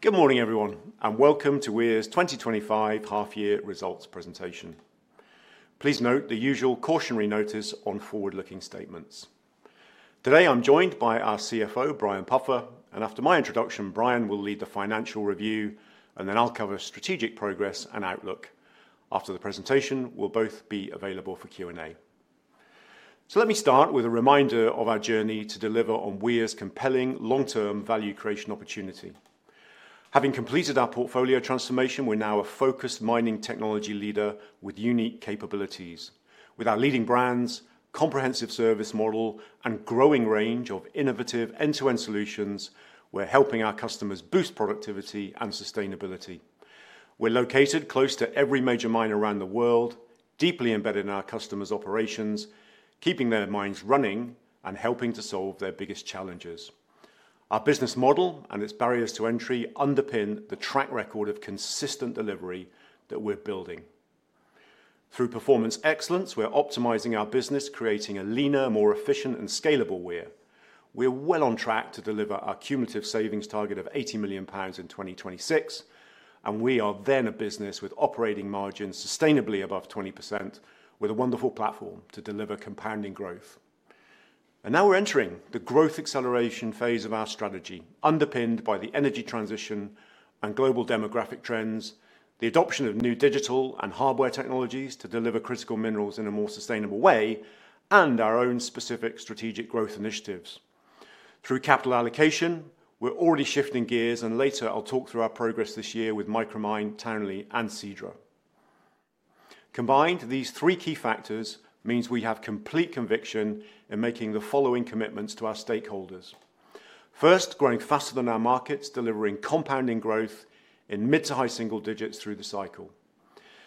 Good morning everyone and welcome to Weir's 2025 half year results presentation. Please note the usual cautionary notice on forward looking statements. Today I'm joined by our CFO Brian Puffer, and after my introduction Brian will lead the Financial Review and then I'll cover Strategic Progress and Outlook. After the presentation we'll both be available for Q and A. Let me start with a reminder of our journey to deliver on Weir's compelling long term value creation opportunity. Having completed our portfolio transformation, we're now a focused mining technology leader with unique capabilities. With our leading brands, comprehensive service model, and growing range of innovative end to end solutions, we're helping our customers boost productivity and sustainability. We're located close to every major mine around the world, deeply embedded in our customers' operations, keeping their mines running and helping to solve their biggest challenges. Our business model and its barriers to entry underpin the track record of consistent delivery that we're building through Performance Excellence. We're optimizing our business, creating a leaner, more efficient, and scalable Weir. We're well on track to deliver our cumulative savings target of 80 million pounds in 2026, and we are then a business with operating margins sustainably above 20% with a wonderful platform to deliver compounding growth. We're entering the growth acceleration phase of our strategy underpinned by the energy transition and global demographic trends, the adoption of new digital and hardware technologies to deliver critical minerals in a more sustainable way, and our own specific strategic growth initiatives through capital allocation. We're already shifting gears and later I'll. Talk through our progress. This year with Micromine, Townley and CiDRA combined, these three key factors mean we have complete conviction in making the following commitments to our stakeholders. First, growing faster than our markets, delivering compounding growth in mid to high single digits through the cycle.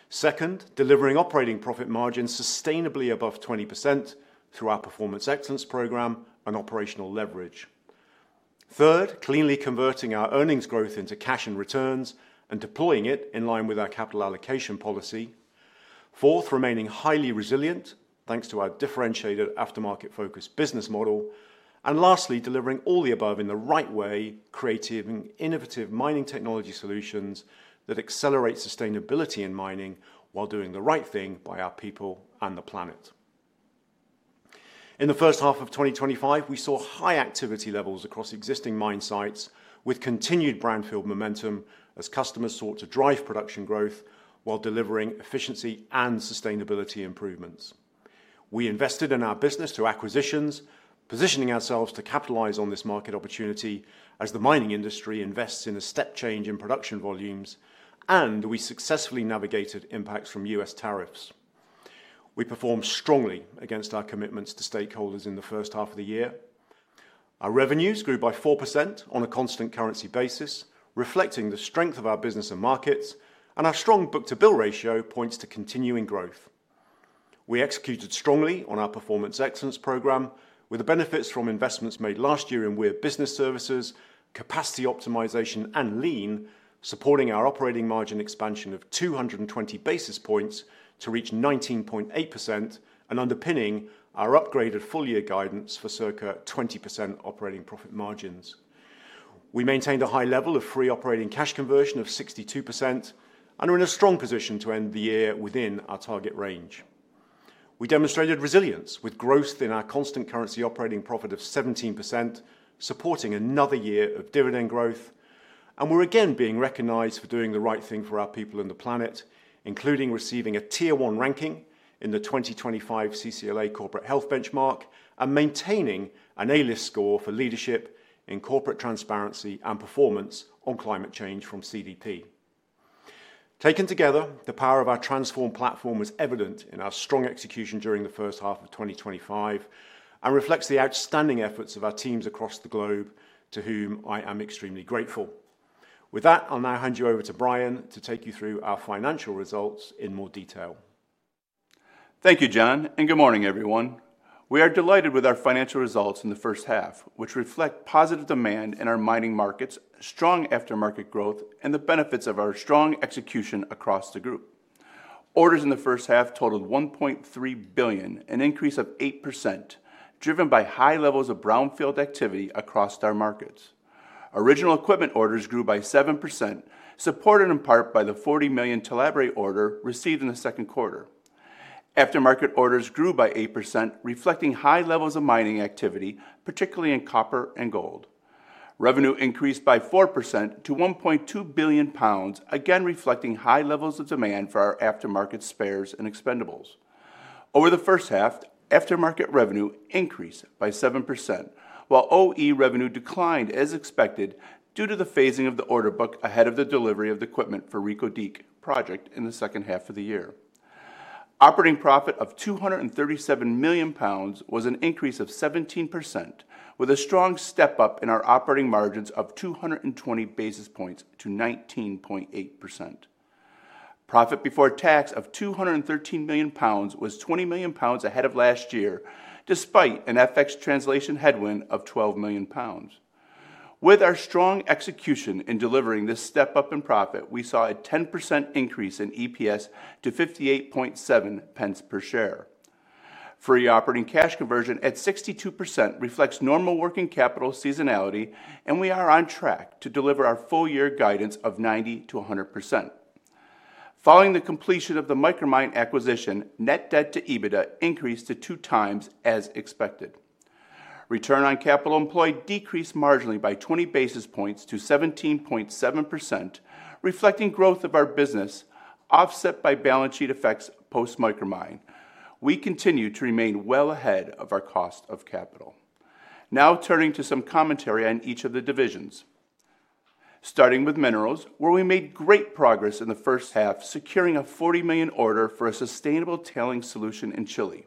Second, delivering operating profit margins sustainably above 20% through our Performance Excellence program and operational leverage. Third, cleanly converting our earnings growth into cash and returns and deploying it in line with our capital allocation policy. Fourth, remaining highly resilient thanks to our differentiated aftermarket focused business model, and lastly, delivering all the above in the right way, creating innovative mining technology solutions that accelerate sustainability in mining while doing the right thing by our people and the planet. In the first half of 2025, we saw high activity levels across existing mine sites with continued brownfield momentum as customers sought to drive production growth while delivering efficiency and sustainability improvements. We invested in our business through acquisitions, positioning ourselves to capitalize on this market opportunity as the mining industry invests in a step change in production volumes, and we successfully navigated impacts from U.S. tariffs. We performed strongly against our commitments to stakeholders. In the first half of the year. Our revenues grew by 4% on a constant currency basis, reflecting the strength of our business and markets, and our strong book to bill ratio points to continuing growth. We executed strongly on our Performance Excellence program, with the benefits from investments made last year in Weir Business Services, capacity optimization, and lean, supporting our operating margin expansion of 220 basis points to reach 19.8% and underpinning our upgraded full year guidance for circa 20% operating profit margins. We maintained a high level of free operating cash conversion of 62% and are in a strong position to end the year within our target range. We demonstrated resilience with growth in our constant currency operating profit of 17%, supporting another year of dividend growth, and we're again being recognized for doing the right thing for our people and the planet, including receiving a Tier 1 ranking in the 2025 CCLA Corporate Health Benchmark and maintaining an A List score for leadership in corporate transparency and performance on climate change from CDP. Taken together, the power of our transform platform was evident in our strong execution during the first half of 2025 and reflects the outstanding efforts of our teams across the globe, to whom I am extremely grateful. With that, I'll now hand you over to Brian to take you through our financial results in more detail. Thank you Jon and good morning everyone. We are delighted with our financial results in the first half, which reflect positive demand in our mining markets, strong aftermarket growth, and the benefits of our strong execution across the group. Orders in the first half totaled 1.3 billion, an increase of 8%, driven by high levels of brownfield activity across our markets. Original equipment orders grew by 7%, supported in part by the 40 million Talabre order received. In the second quarter, aftermarket orders grew by 8%, reflecting high levels of mining activity, particularly in copper and gold. Revenue increased by 4% to 1.2 billion pounds, again reflecting high levels of demand for our aftermarket spares and expendables. Over the first half, aftermarket revenue increased by 7% while OE revenue declined as expected due to the phasing of the order book ahead of the delivery of the equipment for the Reko Diq project. In the second half of the year, operating profit of 237 million pounds was an increase of 17%, with a strong step up in our operating margins of 220 basis points to 19.8%. Profit before tax of 213 million pounds was 20 million pounds ahead of last year despite an FX translation headwind of 12 million pounds. With our strong execution in delivering this step up in profit, we saw a 10% increase in EPS to 0.587 per share. Free operating cash conversion at 62% reflects normal working capital seasonality, and we are on track to deliver our full year guidance of 90%-100%. Following the completion of the Micromine acquisition, net debt to EBITDA increased to 2x, and as expected, return on capital employed decreased marginally by 20 basis points to 17.7%, reflecting growth of our business offset by balance sheet effects. Post-Micromine, we continue to remain well ahead of our cost of capital. Now turning to some commentary on each of the divisions, starting with Minerals, where we made great progress in the first half securing a 40 million order for a sustainable tailings solution in Chile.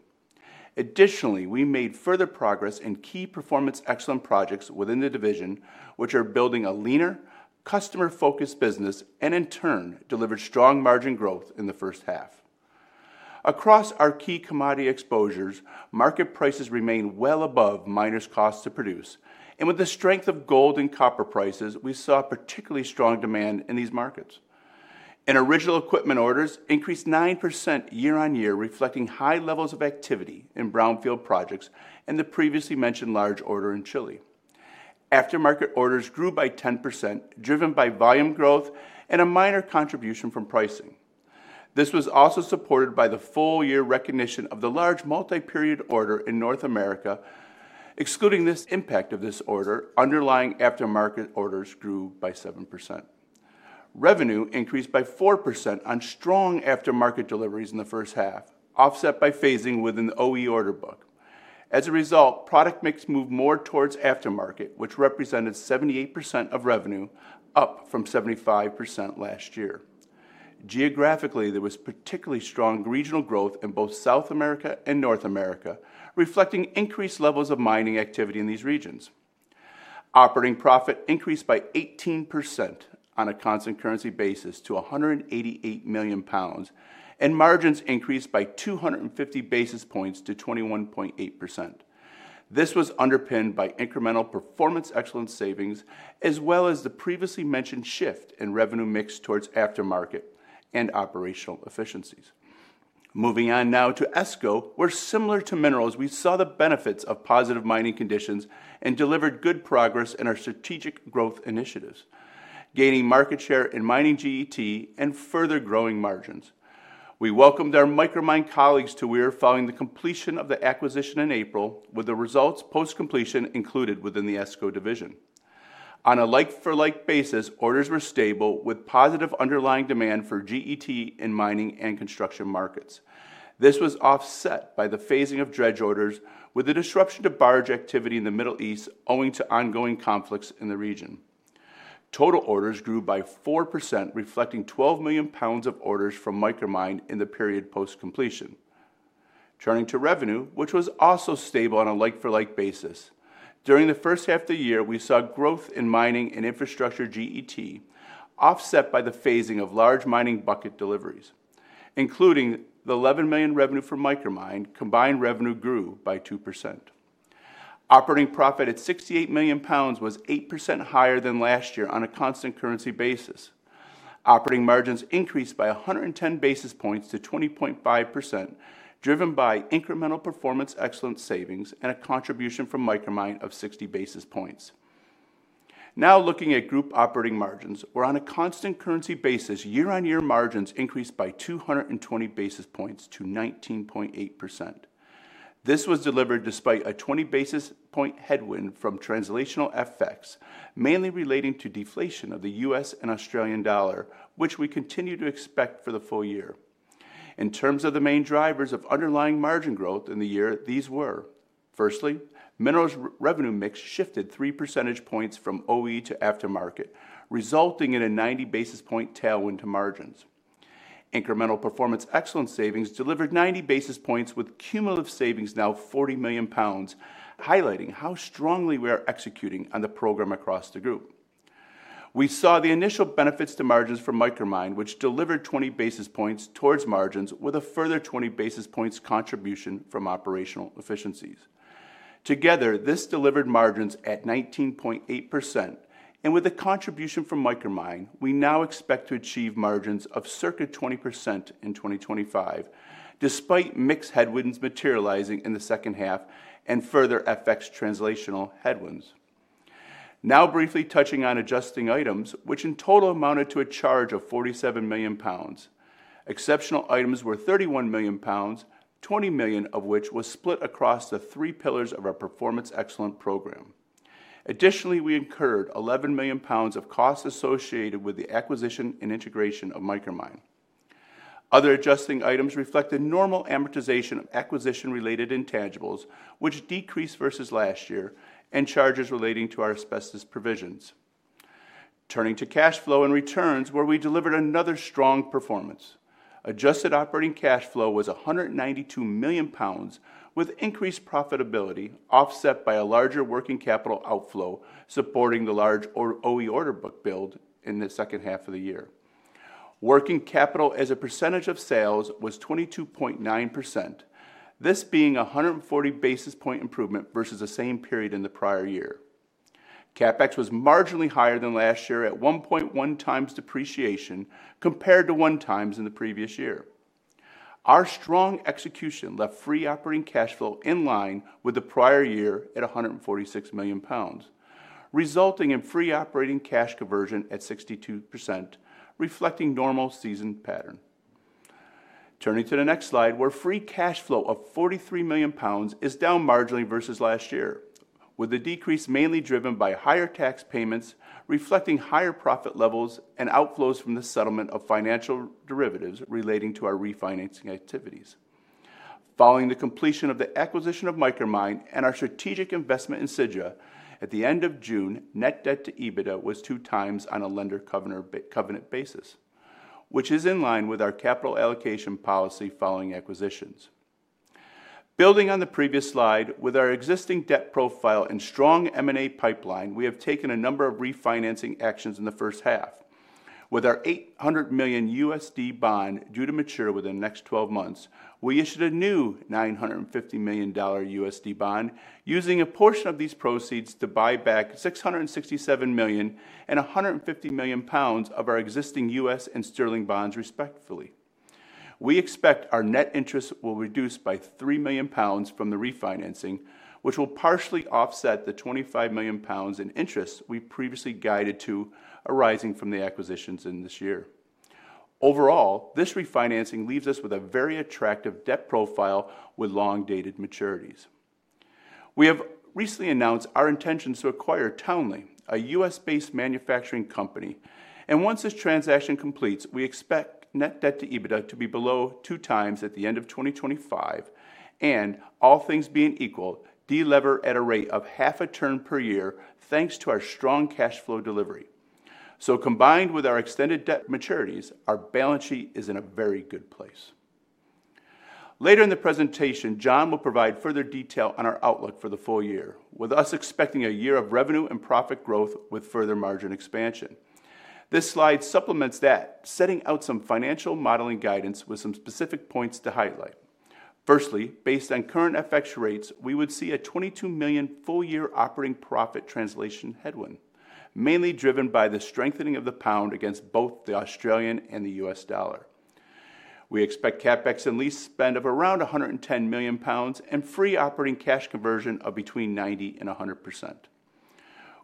Additionally, we made further progress in key Performance Excellence program projects within the division, which are building a leaner, customer-focused business and in turn delivered strong margin growth in the first half across our key commodity exposures. Market prices remain well above miners' costs to produce, and with the strength of gold and copper prices, we saw particularly strong demand in these markets. Original equipment orders increased 9% year on year, reflecting high levels of activity in brownfield projects and the previously mentioned large order. In Chile, aftermarket orders grew by 10%, driven by volume growth and a minor contribution from pricing. This was also supported by the full year recognition of the large multi-period order in North America. Excluding the impact of this order, underlying aftermarket orders grew by 7%. Revenue increased by 4% on strong aftermarket deliveries in the first half, offset by phasing within the OE order book. As a result, product mix moved more towards aftermarket, which represented 78% of revenue, up from 75% last year. Geographically, there was particularly strong regional growth in both South America and North America, reflecting increased levels of mining activity in these regions. Operating profit increased by 18% on a constant currency basis to 188 million pounds, and margins increased by 250 basis points to 21.8%. This was underpinned by incremental Performance Excellence savings as well as the previously mentioned shift in revenue mix towards aftermarket and operational efficiencies. Moving on now to ESCO, where similar to Minerals, we saw the benefits of positive mining conditions and delivered good progress in our strategic growth initiatives, gaining market share in mining GET and further growing margins. We welcomed our Micromine colleagues to Weir following the completion of the acquisition in April, with the results post-completion included within the ESCO division. On a like-for-like basis, orders were stable with positive underlying demand for GET in mining and construction markets. This was offset by the phasing of dredge orders with a disruption to barge activity in the Middle East owing to ongoing conflicts in the region. Total orders grew by 4%, reflecting 12 million pounds of orders from Micromine in the period post-completion. Turning to revenue, which was also stable on a like-for-like basis, during the first half of the year we saw growth in mining and infrastructure GET offset by the phasing of large mining bucket deliveries. Including the 11 million revenue from Micromine, combined revenue grew by 2%. Operating profit at 68 million pounds was 8% higher than last year. On a constant currency basis, operating margins increased by 110 basis points to 20.5% driven by incremental Performance Excellence savings and a contribution from Micromine of 60 basis points. Now looking at group operating margins where on a constant currency basis year on year, margins increased by 220 basis points to 19.8%. This was delivered despite a 20 basis point headwind from translational effects mainly relating to deflation of the U.S. and Australian dollar which we continue to expect for the full year. In terms of the main drivers of underlying margin growth in the year, these were firstly minerals revenue mix shifted 3 percentage points from OE to aftermarket resulting in a 90 basis point tailwind to margins. Incremental Performance Excellence savings delivered 90 basis points with cumulative savings now 40 million pounds, highlighting how strongly we are executing on the program. Across the group, we saw the initial benefits to margins for Micromine which delivered 20 basis points towards margins with a further 20 basis points contribution from operational efficiencies. Together this delivered margins at 19.8% and with the contribution from Micromine we now expect to achieve margins of circa 20% in 2025 despite mix headwinds materializing in the second half and further FX translational headwinds. Now briefly touching on adjusting items which in total amounted to a charge of 47 million pounds. Exceptional items were 31 million pounds, 20 million of which was split across the three pillars of our Performance Excellence program. Additionally, we incurred 11 million pounds of costs associated with the acquisition and integration of Micromine. Other adjusting items reflected normal amortization of acquisition related intangibles which decreased versus last year and charges relating to our asbestos provisions. Turning to cash flow and returns where we delivered another strong performance, adjusted operating cash flow was 192 million pounds with increased profitability offset by a larger working capital outflow supporting the large OE order book build in the second half of the year. Working capital as a percentage of sales was 22.9%, this being a 140 basis point improvement versus the same period in the prior year. CapEx was marginally higher than last year at 1.1x depreciation compared to 1x in the previous year. Our strong execution left free operating cash flow in line with the prior year at 146 million pounds, resulting in free operating cash conversion at 62%, reflecting normal season pattern. Turning to the next slide where free cash flow of 43 million pounds is down marginally versus last year, with the decrease mainly driven by higher tax payments reflecting higher profit levels and outflows from the settlement of financial derivatives relating to our refinancing activities following the completion of the acquisition of Micromine and our strategic investment in CiDRA at the end of June, net debt to EBITDA was two times on a lender covenant basis, which is in line with our capital allocation policy following acquisitions. Building on the previous slide with our existing debt profile and strong M&A pipeline, we have taken a number of refinancing actions in the first half. With our $800 million USD bond due to mature within the next 12 months, we issued a new $950 million USD bond using a portion of these proceeds to buy back $667 million and 150 million pounds of our existing U.S. and sterling bonds respectively. We expect our net interest will reduce by 3 million pounds from the refinancing, which will partially offset the 25 million pounds in interest we previously guided to arising from the acquisitions in this year. Overall, this refinancing leaves us with a very attractive debt profile with long dated maturities. We have recently announced our intentions to acquire Townley, a U.S. based manufacturing company, and once this transaction completes we expect net debt to EBITDA to be below two times at the end of 2025 and all things being equal delever at a rate of half a turn per year. Thanks to our strong cash flow delivery, combined with our extended debt maturities, our balance sheet is in a very good place. Later in the presentation, Jon will provide further detail on our outlook for the full year, with us expecting a year of revenue and profit growth with further margin expansion. This slide supplements that, setting out some financial modeling guidance with some specific points to highlight. Firstly, based on current FX rates we would see a 22 million full year operating profit translation headwind, mainly driven by the strengthening of the pound against both the Australian and the U.S. dollar. We expect CapEx and lease spend of around 110 million pounds and free operating cash conversion of between 90% and 100%.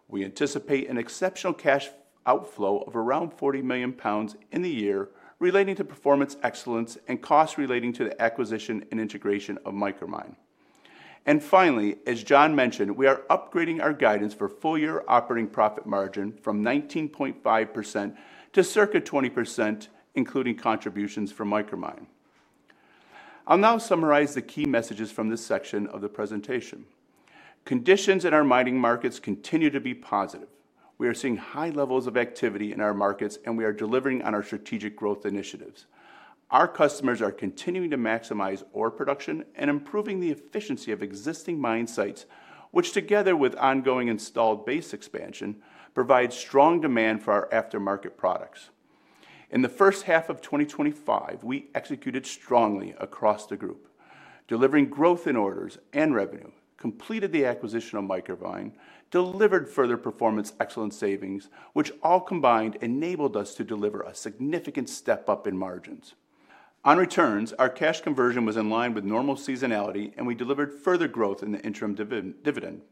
We anticipate an exceptional cash outflow of around 40 million pounds in the year relating to Performance Excellence and costs relating to the acquisition and integration of Micromine. Finally, as Jon mentioned, we are upgrading our guidance for full year operating profit margin from 19.5% to circa 20% including contributions from Micromine. I'll now summarize the key messages from this section of the presentation. Conditions in our mining markets continue to be positive. We are seeing high levels of activity in our markets and we are delivering on our strategic growth initiatives. Our customers are continuing to maximize ore production and improving the efficiency of existing mine sites, which together with ongoing installed base expansion, provide strong demand for our aftermarket products. In the first half of 2025, we executed strongly across the group delivering growth in orders and revenue, completed the acquisition of Micromine, delivered further Performance Excellence savings, which all combined enabled us to deliver a significant step up in margins on returns. Our cash conversion was in line with normal seasonality and we delivered further growth in the interim dividend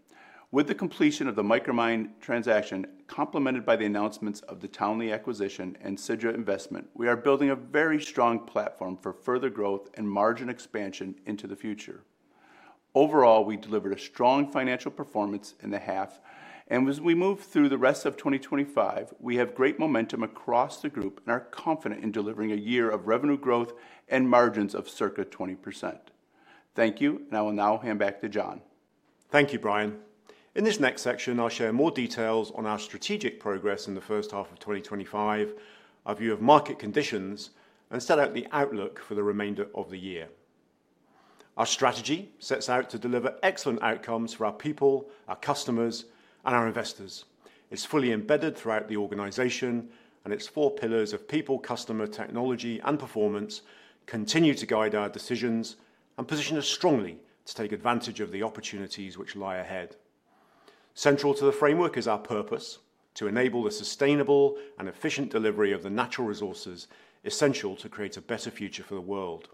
with the completion of the Micromine transaction, complemented by the announcements of the Townley acquisition and CiDRA investment, which we are building a very strong platform for further growth and margin expansion into the future. Overall, we delivered a strong financial performance in the half and as we move through the rest of 2025 we have great momentum across the group and are confident in delivering a year of revenue growth and margins of circa 20%. Thank you and I will now hand back to Jon. Thank you, Brian. In this next section I'll share more details on our strategic progress in the first half of 2025, our view of market conditions, and set out the outlook for the remainder of the year. Our strategy sets out to deliver excellent outcomes for our people, our customers, and our investors. It's fully embedded throughout the organization, and its four pillars of people, customer, technology, and performance continue to guide our decisions and position us strongly to take advantage of the opportunities which lie ahead. Central to the framework is our purpose to enable the sustainable and efficient delivery of the natural resources essential to create a better future for the world.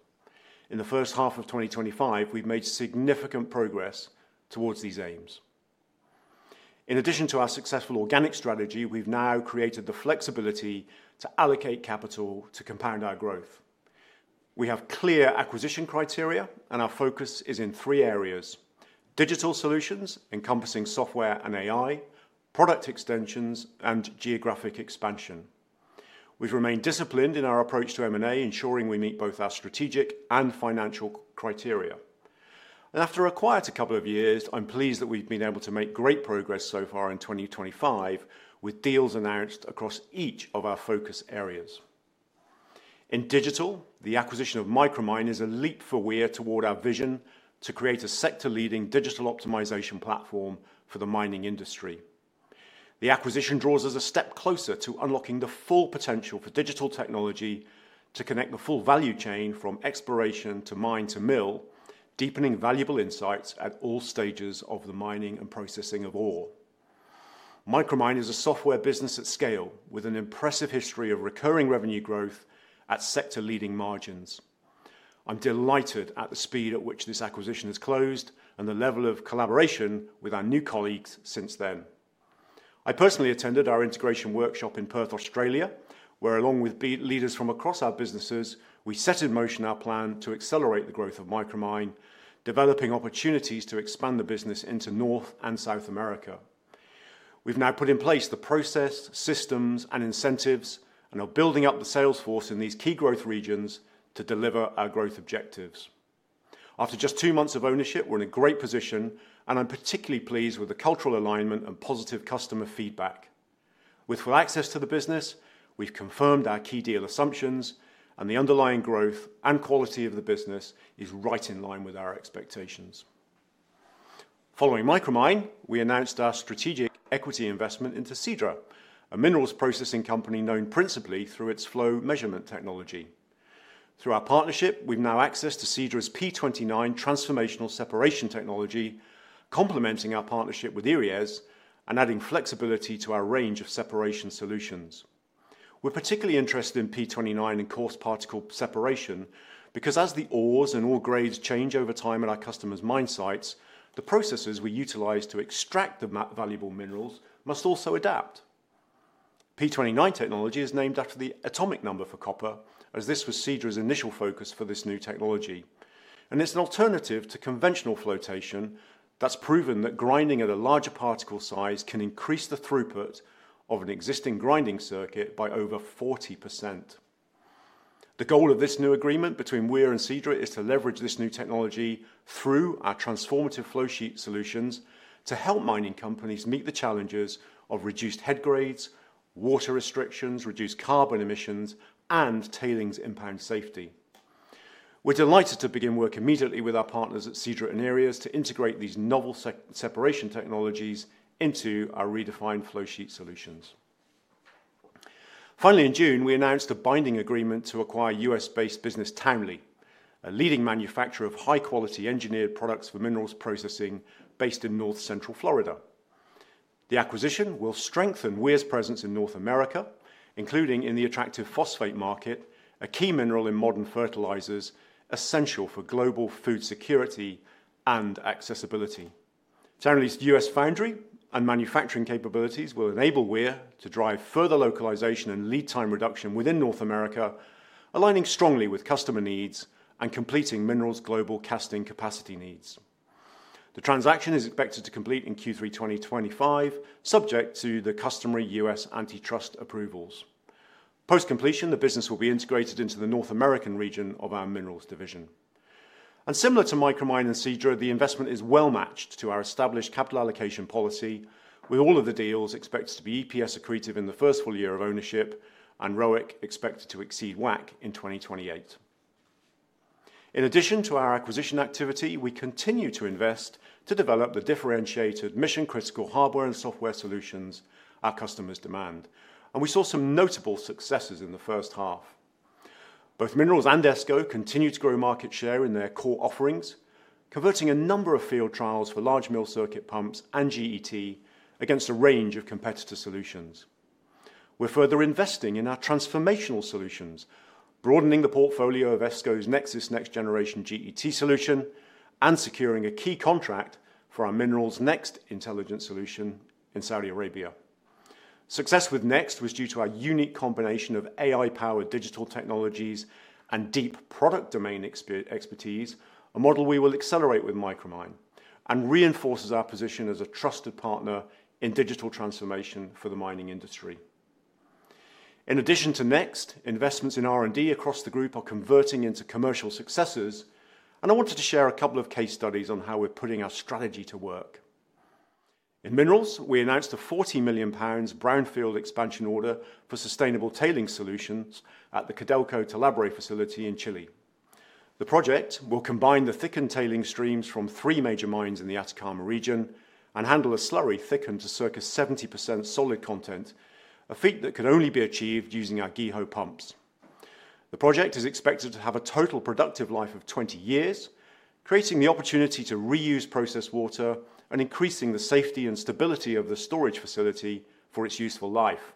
In the first half of 2025, we've made significant progress towards these aims. In addition to our successful organic strategy, we've now created the flexibility to allocate capital to compound our growth. We have clear acquisition criteria, and our focus is in three areas: digital solutions encompassing software and AI, product extensions, and geographic expansion. We've remained disciplined in our approach to. M&A ensuring we meet both. Our strategic and financial criteria and after a quieter couple of years, I'm pleased that we've been able to make great progress so far in 2025 with deals announced across each of our focus areas. In digital, the acquisition of Micromine is a leap for Weir toward our vision to create a sector-leading digital optimization platform for the mining industry. The acquisition draws us a step closer to unlocking the full potential for digital technology to connect the full value chain from exploration to mine to mill, deepening valuable insights at all stages of the mining and processing of ore. Micromine is a software business at scale with an impressive history of recurring revenue growth at sector-leading margins. I'm delighted at the speed at which this acquisition has closed and the level of collaboration with our new colleagues since then. I personally attended our integration workshop in Perth, Australia, where, along with leaders from across our businesses, we set in motion our plan to accelerate the growth of Micromine, developing opportunities to expand the business into North and South America. We've now put in place the process, systems, and incentives and are building up the sales force in these key growth regions to deliver our growth objectives. After just two months of ownership, we're in a great position and I'm particularly pleased with the cultural alignment and positive customer feedback. With full access to the business, we've confirmed our key deal assumptions and the underlying growth and quality of the business is right in line with our expectations. Following Micromine, we announced our strategic equity investment into CiDRA, a minerals processing company known principally through its flow measurement technology. Through our partnership, we've now access to CiDRA's P29 transformational separation technology, complementing our partnership with Eriez and adding flexibility to our range of separation solutions. We're particularly interested in P29 and coarse particle separation because as the ores and ore grades change over time at our customers' mine sites, the processes we utilize to extract the valuable minerals must also adapt. P29 technology is named after the atomic number for copper, as this was CiDRA's initial focus for this new technology, and it's an alternative to conventional flotation that's proven that grinding at a larger particle size can increase the throughput of an existing grinding circuit by over 40%. The goal of this new agreement between Weir and CiDRA is to leverage this new technology through our transformative flowsheet solutions to help mining companies meet the challenges of reduced head grades, water restrictions, reduced carbon emissions, and tailings impound safety. We're delighted to begin work immediately with our partners at CiDRA and Eriez to integrate these novel separation technologies into our redefined flowsheet solutions. Finally, in June we announced a binding agreement to acquire U.S.-based business Townley, a leading manufacturer of high-quality engineered products for minerals processing based in North Central Florida. The acquisition will strengthen Weir's presence in North America, including in the attractive phosphate market, a key mineral in modern fertilizers, essential for global food security and accessibility. Townley's U.S. foundry and manufacturing capabilities will enable Weir to drive further localization and lead time reduction within North America, aligning strongly with customer needs and completing Minerals' global casting capacity needs. The transaction is expected to complete in Q3 2025, subject to the customary U.S. antitrust approvals. Post completion, the business will be integrated into the North American region of our Minerals division, and similar to Micromine and CiDRA, the investment is well matched to our established capital allocation policy with all of the deals expected to be EPS accretive in the first full year of ownership and ROIC expected to exceed WACC in 2028. In addition to our acquisition activity, we continue to invest to develop the differentiated mission critical hardware and software solutions our customers demand and we saw some notable. Successes in the first half. Both Minerals and ESCO continue to grow market share in their core offerings, converting a number of field trials for large mill circuit pumps and GET against a range of competitor solutions. We're further investing in our transformational solutions, broadening the portfolio of ESCO's Nexsys Next Generation GET solution and securing a key contract for our Minerals NEXT Intelligent solution in Saudi Arabia. Success with NEXT was due to our unique combination of AI-powered digital technologies and deep product domain expertise, a model we will accelerate with Micromine and reinforces our position as a trusted partner in digital transformation for the mining industry. In addition to NEXT, investments in R&D across the group are converting into commercial successes and I wanted to share a couple of case studies on how we're putting our strategy to work in Minerals. We announced a 40 million pounds brownfield expansion order for sustainable tailings solutions at the Codelco Talabre facility in Chile. The project will combine the thickened tailings streams from three major mines in the Atacama region and handle a slurry thickened to circa 70% solid content, a feat that can only be achieved using our GEHO pumps. The project is expected to have a total productive life of 20 years, creating the opportunity to reuse processed water and increasing the safety and stability of the storage facility. For its useful life,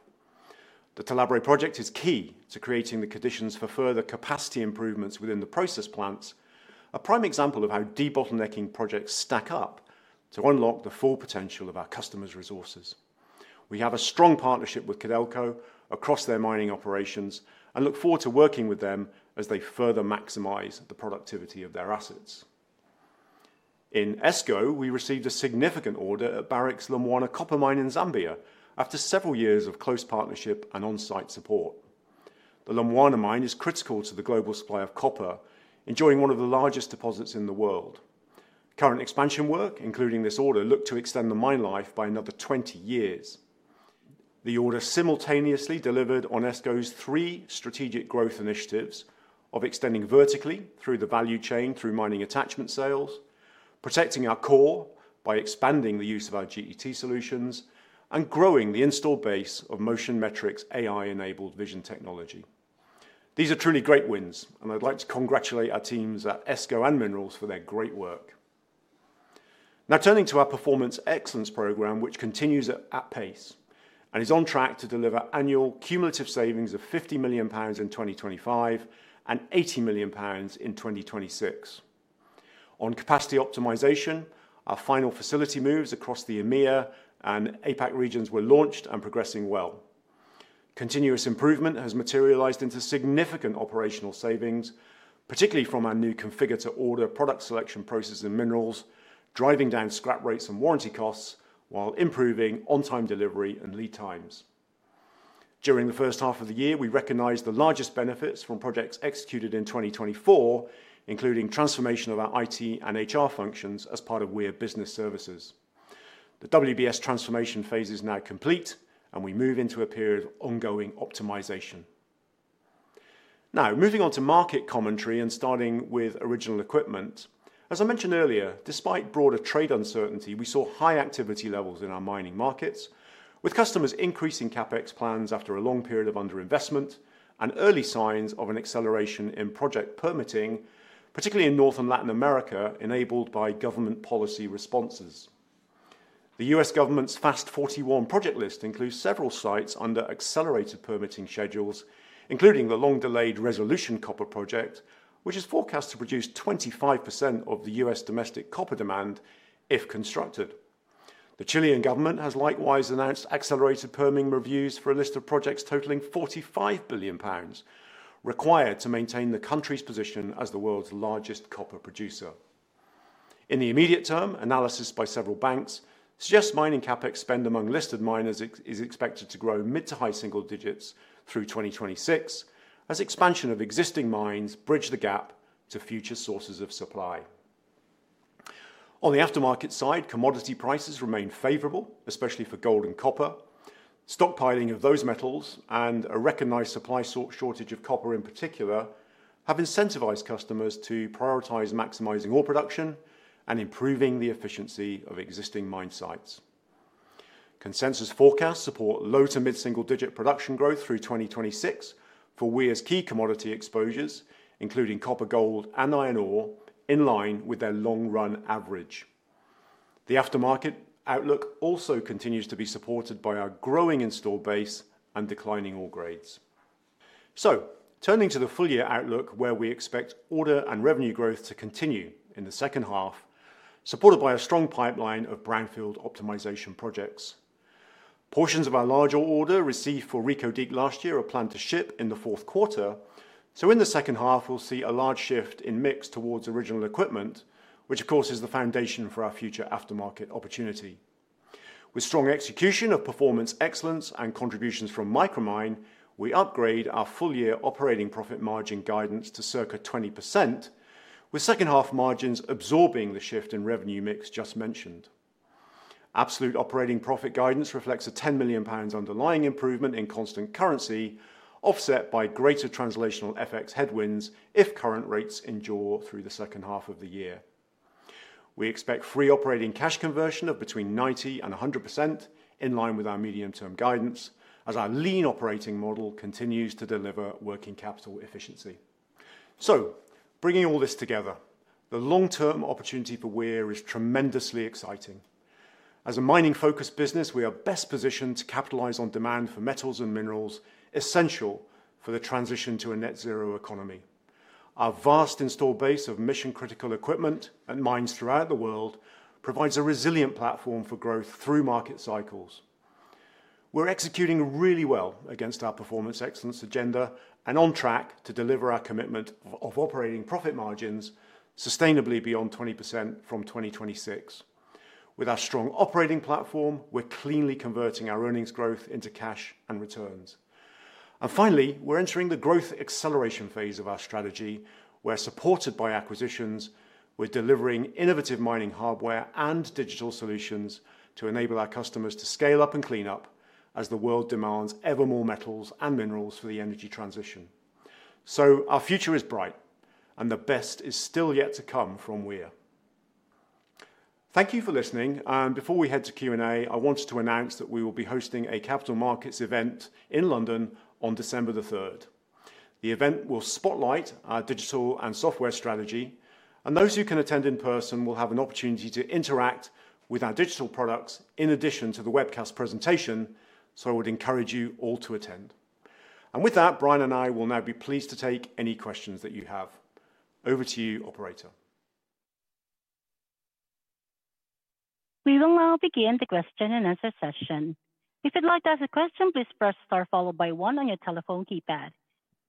the Talabre project is key to creating the conditions for further capacity improvements within the process plants. A prime example of how debottlenecking projects stack up to unlock the full potential of our customers' resources. We have a strong partnership with Codelco across their mining operations and look forward to working with them as they further maximize the productivity of their assets. In ESCO, we received a significant order at Barrick's Lumwana copper mine in Zambia after several years of close partnership and on-site support. The Lumwana mine is critical to the global supply of copper, enjoying one of the largest deposits in the world. Current expansion work, including this order, looked to extend the mine life by another 20 years. The order simultaneously delivered on ESCO's three strategic growth initiatives of extending vertically through the value chain through mining attachment sales, protecting our core by expanding the use of our GET solutions, and growing the installed base of Motion Metrics AI-enabled vision technology. These are truly great wins and I'd like to congratulate our teams at ESCO and Minerals for their great work. Now turning to our Performance Excellence program which continues at pace and is on track to deliver annual cumulative savings of 50 million pounds in 2025 and 80 million pounds in 2026 on capacity optimization. Our final facility moves across the EMEA and APAC regions were launched and progressing well. Continuous improvement has materialized into significant operational savings, particularly from our new configure to order product selection processes and Minerals, driving down scrap rates and warranty costs while improving on-time delivery and lead times during the first half of the year. We recognized the largest benefits from projects executed in 2024 including transformation of our IT and HR functions as part of Weir Business Services. The WBS transformation phase is now complete and we move into a period of ongoing optimization. Now moving on to market commentary and starting with original equipment. As I mentioned earlier, despite broader trade uncertainty, we saw high activity levels in our mining markets with customers increasing CapEx plans after a long period of underinvestment and early signs of an acceleration in project permitting, particularly in North and Latin America enabled by government policy responses. The U.S. government's FAST-41 project list includes several sites under accelerated permitting schedules, including the long-delayed Resolution Copper project which is forecast to produce 25% of the U.S. domestic copper demand if constructed. The Chilean government has likewise announced accelerated permitting reviews for a list of projects totaling 45 billion pounds required to maintain the country's position as the world's largest copper producer in the immediate term. Analysis by several banks suggests mining CapEx spend among listed miners is expected to grow mid to high single digits through 2026 as expansion of existing mines bridge the gap to future sources of supply. On the aftermarket side, commodity prices remain favorable especially for gold and copper. Stockpiling of those metals and a recognized supply shortage of copper in particular have incentivized customers to prioritize maximizing ore production and improving the efficiency of existing mine sites. Consensus forecasts support low to mid single digit production growth through 2026 for Weir's key commodity exposures including copper, gold, and iron ore in line with their long run average. The aftermarket outlook also continues to be supported by our growing installed base and declining ore grades. Turning to the full year outlook, we expect order and revenue growth to continue in the second half supported by a strong pipeline of brownfield optimization projects. Portions of our larger order received for Reko Dig last year are planned to ship in the fourth quarter. In the second half, we'll see a large shift in mix towards original equipment, which of course is the foundation for our future aftermarket opportunity. With strong execution of the Performance Excellence program and contributions from Micromine, we upgrade our full year operating profit margin guidance to circa 20% with second half margins absorbing the shift in revenue mix just mentioned. Absolute operating profit guidance reflects a 10 million pounds underlying improvement in constant currency, offset by greater translational FX headwinds. If current rates endure through the second half of the year, we expect free operating cash conversion of between 90% and 100% in line with our medium term guidance as our lean operating model continues to deliver working capital efficiency. Bringing all this together, the long term opportunity for Weir is tremendously exciting. As a mining focused business, we are best positioned to capitalize on demand for metals and minerals essential for the transition. To a net zero economy. Our vast installed base of mission critical equipment and mines throughout the world provides a resilient platform for growth through market cycles. We're executing really well against our Performance Excellence agenda and on track to deliver our commitment of operating profit margins sustainably beyond 20% from 2026. With our strong operating platform, we're cleanly converting our earnings growth into cash and returns. Finally, we're entering the growth acceleration phase of our strategy where, supported by acquisitions, we're delivering innovative mining hardware and digital solutions to enable our customers to scale up and clean up as the world demands ever more metals and minerals for the energy transition. Our future is bright and the best is still yet to come from Weir. Thank you for listening. Before we head to Q&A, I wanted to announce that we will be hosting a capital markets session event in London on December 3rd. The event will spotlight our digital and software strategy, and those who can attend in person will have an opportunity to interact with our digital products in addition to the webcast presentation. I would encourage you all to attend. With that, Brian and I will now be pleased to take any questions that you have. Over to you, Operator. We will now begin the question and answer session. If you'd like to ask a question, please press star followed by one on your telephone keypad.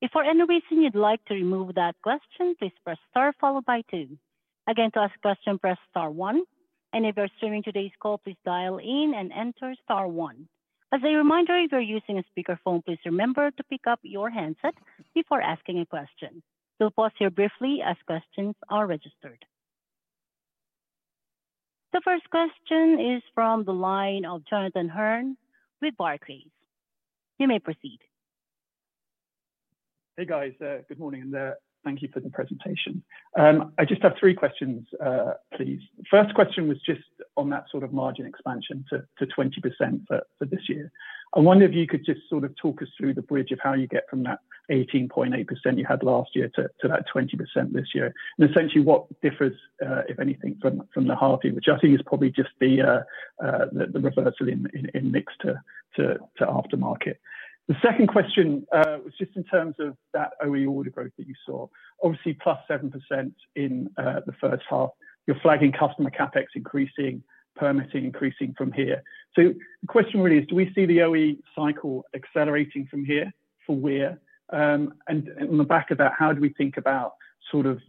If for any reason you'd like to remove that question, please press star followed by two. Again, to ask a question, press star one. If you're streaming today's call, please dial in and enter star one. As a reminder, if you're using a speakerphone, please remember to pick up your handset before asking a question. We'll pause here briefly as questions are registered. The first question is from the line of Jonathan Hurn with Barclays. You may proceed. Hey guys, good morning and thank you for the presentation. I just have three questions, please. First question was just on that sort of margin expansion to 20% for this year. I wonder if you could just sort of talk us through the bridge of how you get from that 18.8% you had last year to that 20% this year, and essentially what differs, if anything, from the half even, which I think is probably just the reversal in mix to aftermarket. The second question was just in terms of that OE order growth that you saw, obviously +7% in the first half, you're flagging customer CapEx increasing, permitting increasing from here. The question really is do we see the OE cycle accelerating from here for Weir? On the back of that, how do we think about sort of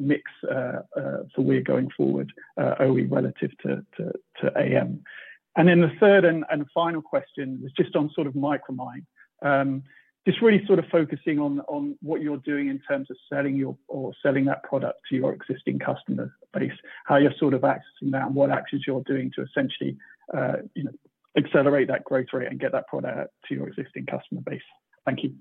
mix for Weir going forward, OE relative to AM? The third and final question was just on sort of Micromine, just really sort of focusing on what you're doing in terms of selling your or selling that product to your existing customer base, how you're sort of accessing that and what actions you're doing to essentially accelerate that growth rate and get that product to your existing customer base. Thank you.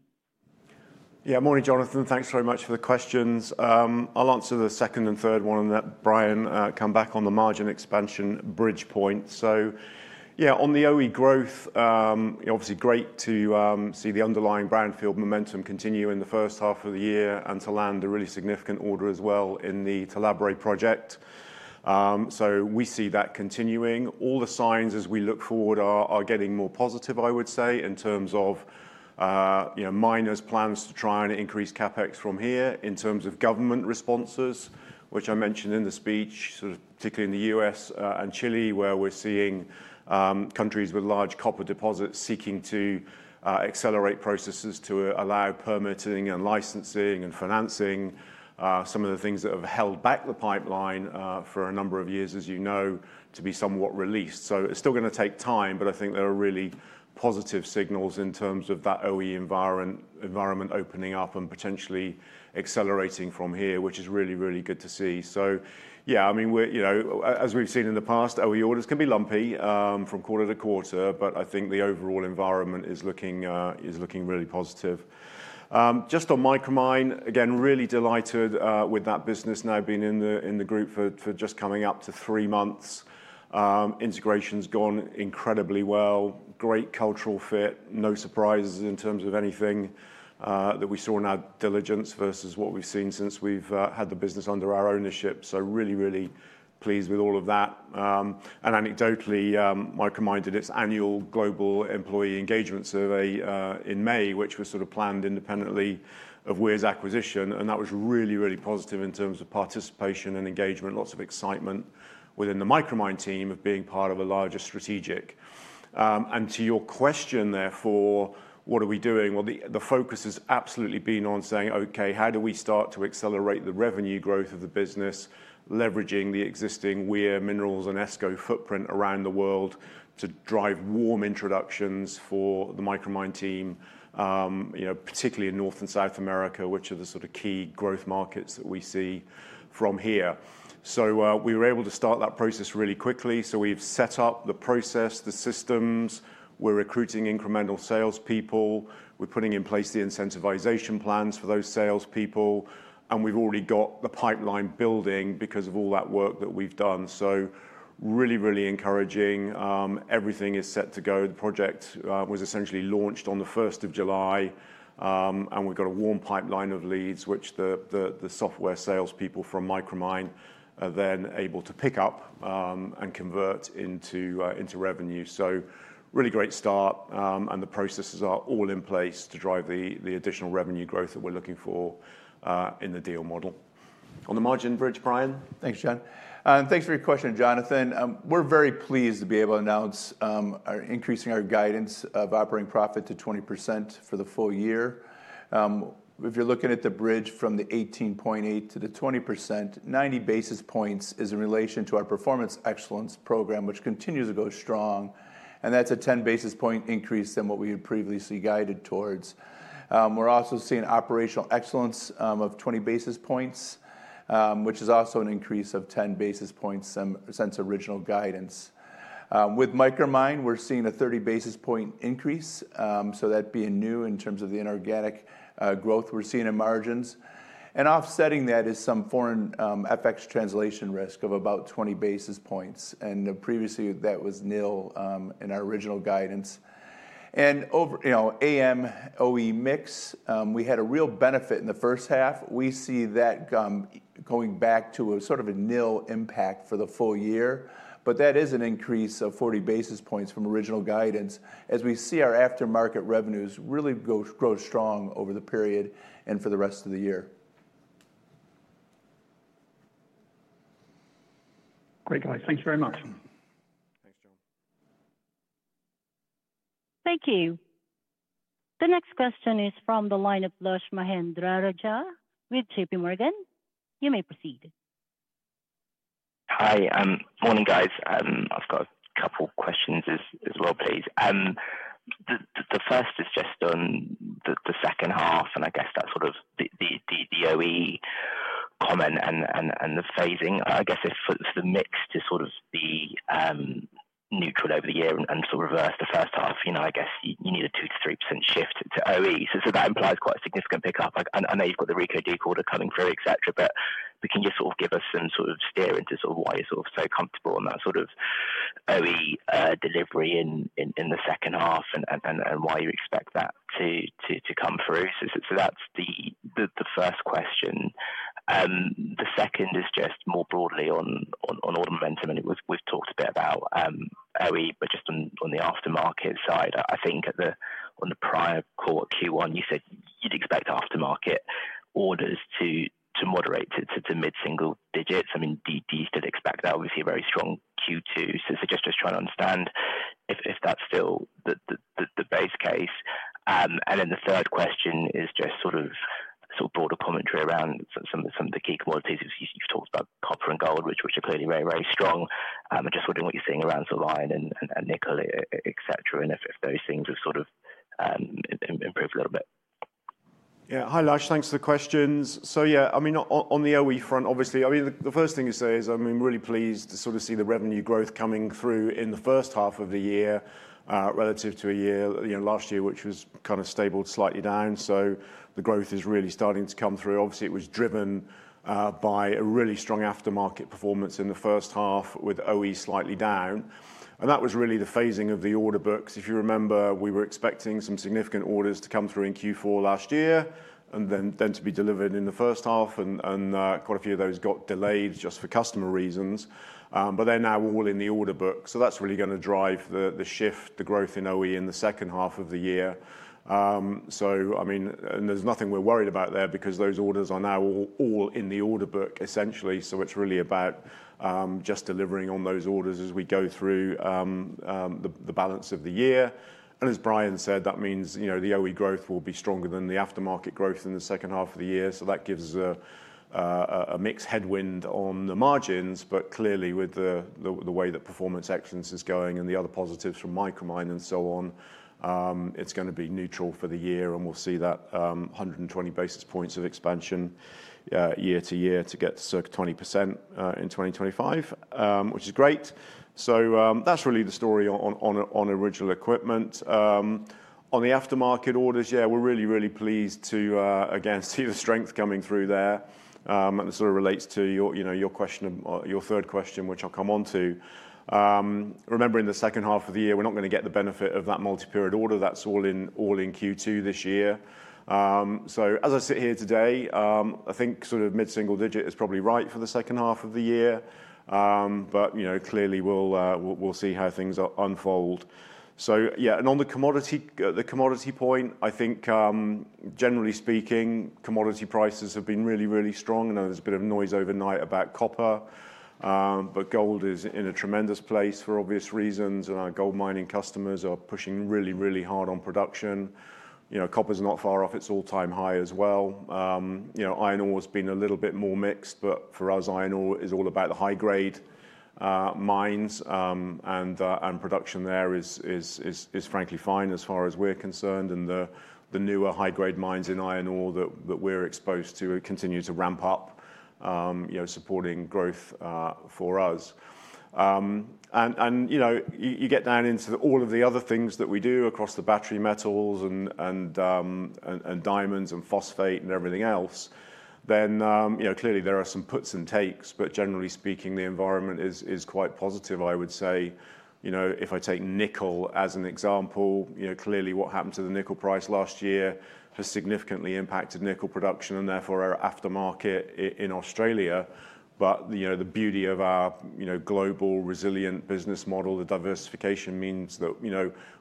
Yeah, morning, Jonathan. Thanks very much for the questions. I'll answer the second and third one and let Brian come back on the margin expansion bridge point. On the OE growth, obviously great to see the underlying brownfield momentum continue in the first half of the year and to land a really significant order as well in the Talabre project. We see that continuing. All the signs as we look forward are getting more positive, I would say, in terms of miners' plans to try and increase CapEx from here. In terms of government responses, which I mentioned in the speech, particularly in the U.S. and Chile, we're seeing countries with large copper deposits seeking to accelerate processes to allow permitting and licensing and financing, some of the things that have held back the pipeline for a number of years, as you know, to be somewhat released. It's still going to take time, but I think there are really positive signals in terms of that OE environment opening up and potentially accelerating from here, which is really, really good to see. As we've seen in the past, our orders can be lumpy from quarter to quarter, but I think the overall environment is looking really positive. Just on Micromine, again, really delighted with that business now being in the group for just coming up to three months. Integration's gone incredibly well. Great cultural fit, no surprises in terms of anything that we saw in our diligence versus what we've seen since we've had the business under our ownership. Really, really pleased with all of that. Anecdotally, Micromine did its annual Global Employee Engagement Survey in May, which was sort of planned independently of Weir's acquisition. That was really, really positive in terms of participation and engagement. Lots of excitement within the Micromine team of being part of a larger strategic. To your question, therefore, what are we doing? The focus has absolutely been on saying, okay, how do we start to accelerate the revenue growth of the business? Leveraging the existing Weir Minerals and ESCO footprint around the world to drive warm introductions for the Micromine team, particularly in North and South America, which are the sort of key growth markets that we see from here. We were able to start that process really quickly. We’ve set up the process, the systems, we’re recruiting incremental salespeople, we’re putting in place the incentivization plans for those salespeople, and we’ve already got the pipeline building because of all that work that we’ve done. It’s really, really encouraging. Everything is set to go. The project was essentially launched on 1st of July, and we’ve got a warm pipeline of leads which the software salespeople from Micromine are then able to pick up and convert into revenue. It’s a really great start, and the processes are all in place to drive the additional revenue growth that we’re looking for in the deal model. On the margin bridge. Brian, thanks Jon, thanks for your question, Jonathan. We're very pleased to be able to announce increasing our guidance of operating profit to 20% for the full year. If you're looking at the bridge from the 18.8% to the 20%, 90 basis points is in relation to our Performance Excellence program, which continues to go strong. That's a 10 basis point increase from what we had previously guided towards. We're also seeing operational excellence of 20 basis points, which is also an increase of 10 basis points since original guidance. With Micromine, we're seeing a 30 basis point increase, so that being new. In terms of the inorganic growth we're seeing in margins and offsetting, that is some foreign FX translation risk of about 20 basis points. Previously, that was nil in our original guidance and over, you know, AM OE mix, we had a real benefit. In the first half. We see that going back to a sort of a nil impact for the full year, which is an increase of 40 basis points from original guidance as we see our aftermarket revenues really grow strong over the period and for the rest of the year. Great, guys, thanks very much. Thanks, Joan. Thank you. The next question is from the line of Lushanthan Mahendrarajah with JPMorgan. You may proceed. Hi. Morning, guys. I've got a couple questions as well, please. The first is just on the second half, and I guess that sort of the OE comment and the phasing. I guess if the mix to sort of be neutral over the year and sort of reverse the first half, you know, I guess you need a 2%-3% shift to OE, so that implies quite a significant pickup. I know you've got the Reko Dig order coming through, etc. Can you sort of give us some sort of steer into why you're so comfortable on that sort of OE delivery in the second half and why you expect that to come through? That's the first question. The second is just more broadly on order momentum. We've talked a bit about OE, but just on the aftermarket side, I think on the prior call Q1, you said you'd expect aftermarket orders to moderate to mid single digits. Do you still expect that? Obviously a very strong Q2. Just trying to understand if that's still the base case. The third question is just broader commentary around some of the key commodities you've talked about, copper and gold, which are clearly very, very strong. I'm just wondering what you're seeing around nickel, etc., and if those things are sort of improving a little bit. Yeah. Hi Lars, thanks for the questions. On the OE front, obviously, the first thing to say is I'm really pleased to see the revenue growth coming through in the first half of the year relative to a year last year, which was kind of stable, slightly down. The growth is really starting to come through. It was driven by a really strong aftermarket performance in the first half with OE slightly down. That was really the phasing of the order books. If you remember, we were expecting some significant orders to come through in Q4 last year and then to be delivered in the first half, and quite a few of those got delayed just for customer reasons. They're now all in the order book. That's really going to drive the shift, the growth in OE in the second half of the year. There's nothing we're worried about there because those orders are now all in the order book essentially. It's really about just delivering on those orders as we go through the balance of the year. As Brian said, that means the OE growth will be stronger than the aftermarket growth in the second half of the year. That gives us a mixed headwind on the margins. Clearly, with the way that the Performance Excellence program is going and the other positives from Micromine and so on, it's going to be neutral for the year. We'll see that hydrogen 120 basis points of expansion year to year to get to circa 20% in 2025, which is great. That's really the story on original equipment. On the aftermarket orders, we're really, really pleased to again see the strength coming through there. It sort of relates to your question, your third question, which I'll come on to. Remember, in the second half of the year, we're not going to get the benefit of that multiple period order. That's all in Q2 this year. As I sit here today, I think sort of mid single digit is probably right for the second half of the year. Clearly, we'll see how things unfold. On the commodity point, I think generally speaking, commodity prices have been really, really strong and there's a bit of noise overnight about copper, but gold is in a tremendous place for obvious reasons and our gold mining customers are pushing really, really hard on production. Copper is not far off its all-time high as well. Iron ore has been a little bit more mixed. For us, iron ore is all about the high grade mines and production there is frankly fine as far as we're concerned. The newer high grade mines in iron ore that we're exposed to continue to ramp up, supporting growth for us. You get down into all of the other things that we do across the battery metals and diamonds and phosphate and everything else, then clearly there are some puts and takes. Generally speaking, the environment is quite positive, I would say. If I take nickel as an example, clearly what happened to the nickel price last year has significantly impacted nickel production and therefore aftermarket in Australia. The beauty of our global resilient business model, the diversification, means that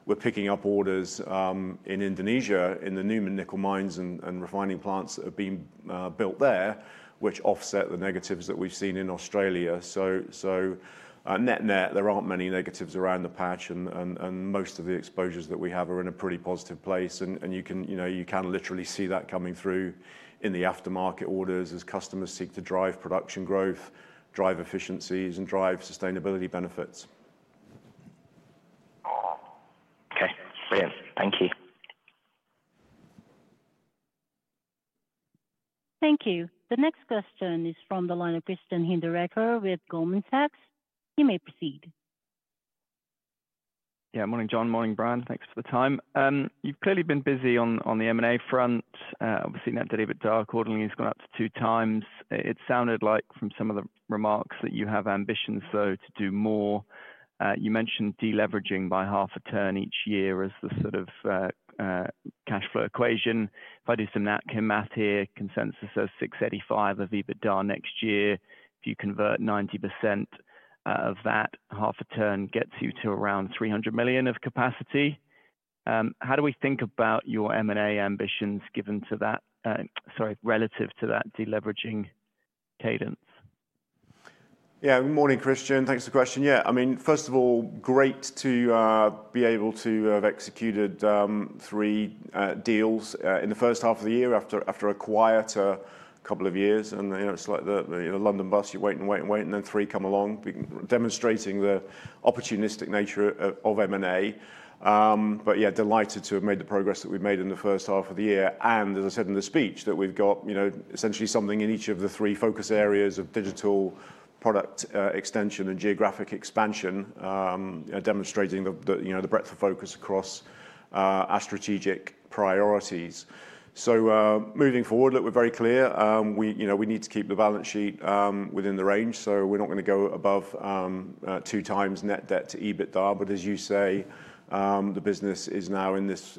we're picking up orders in Indonesia, in the Newman nickel mines and refining plants that have been built there, which offset the negatives that we've seen in Australia. Net net, there aren't many negatives around the patch and most of the exposures that we have are in a pretty positive place. You can literally see that coming through in the aftermarket orders as customers seek to drive production growth, drive efficiencies, and drive sustainability benefits. Okay, thank you. Thank you. The next question is from the line of Christian Hinderaker with Goldman Sachs. You may proceed. Yeah. Morning, Jon. Morning, Brian. Thanks for the time. You've clearly been busy on the M&A front. Obviously, net debt, accordingly, has gone up to 2x. It sounded like from some of the remarks that you have ambitions, though, to do more. You mentioned deleveraging by half a turn each year as the sort of cash flow equation. If I do some net care math here, consensus of 685 million of EBITDA next year. If you convert 90% of that, half a turn gets you to around 300 million of capacity. How do we think about your M&A ambitions given that? Sorry, relative to that deleveraging cadence. Yeah. Morning, Christian. Thanks for the question. First of all, great to be able to have executed three deals in the first half of the year after a couple of years. It's like the London bus. You wait and wait and wait, and then three come along, demonstrating the opportunistic nature of M&A. Delighted to have made the progress that we've made in the first half of the year. As I said in the speech. That we've got essentially something in each of the three focus areas of digital, product extension, and geographic expansion, demonstrating the breadth of focus across our strategic priorities. Moving forward, look, we're very clear, we need to keep the balance sheet within the range. We're not going to go above two times net debt to EBITDA. As you say, the business is now in this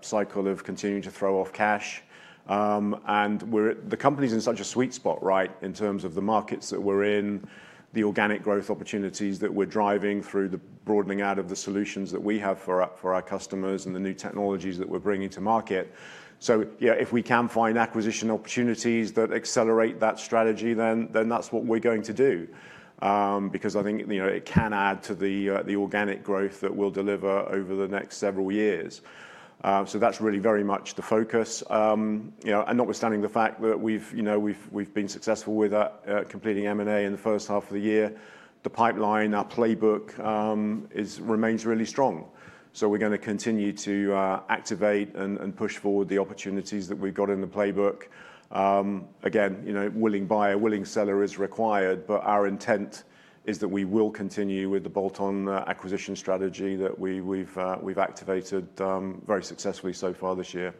cycle of continuing to throw off cash, and the company's in such a sweet spot, right, in terms of the markets that we're in, the organic growth opportunities that we're driving through, through the broadening out of the solutions that we have for our customers and the new technologies that we're bringing to market. If we can find acquisition opportunities that accelerate that strategy, then that's what we're going to do, because I think it can add to the organic growth that we'll deliver over the next several years. That's really very much the focus. Notwithstanding the fact that we've been successful with that, completing M&A in the first half of the year, the pipeline, our playbook, remains really strong. We're going to continue to activate and push forward the opportunities that we've got in the playbook. Again, you know, willing buyer, willing seller is required, but our intent is that we will continue with the bolt-on acquisition strategy that we've activated very successfully so far this year.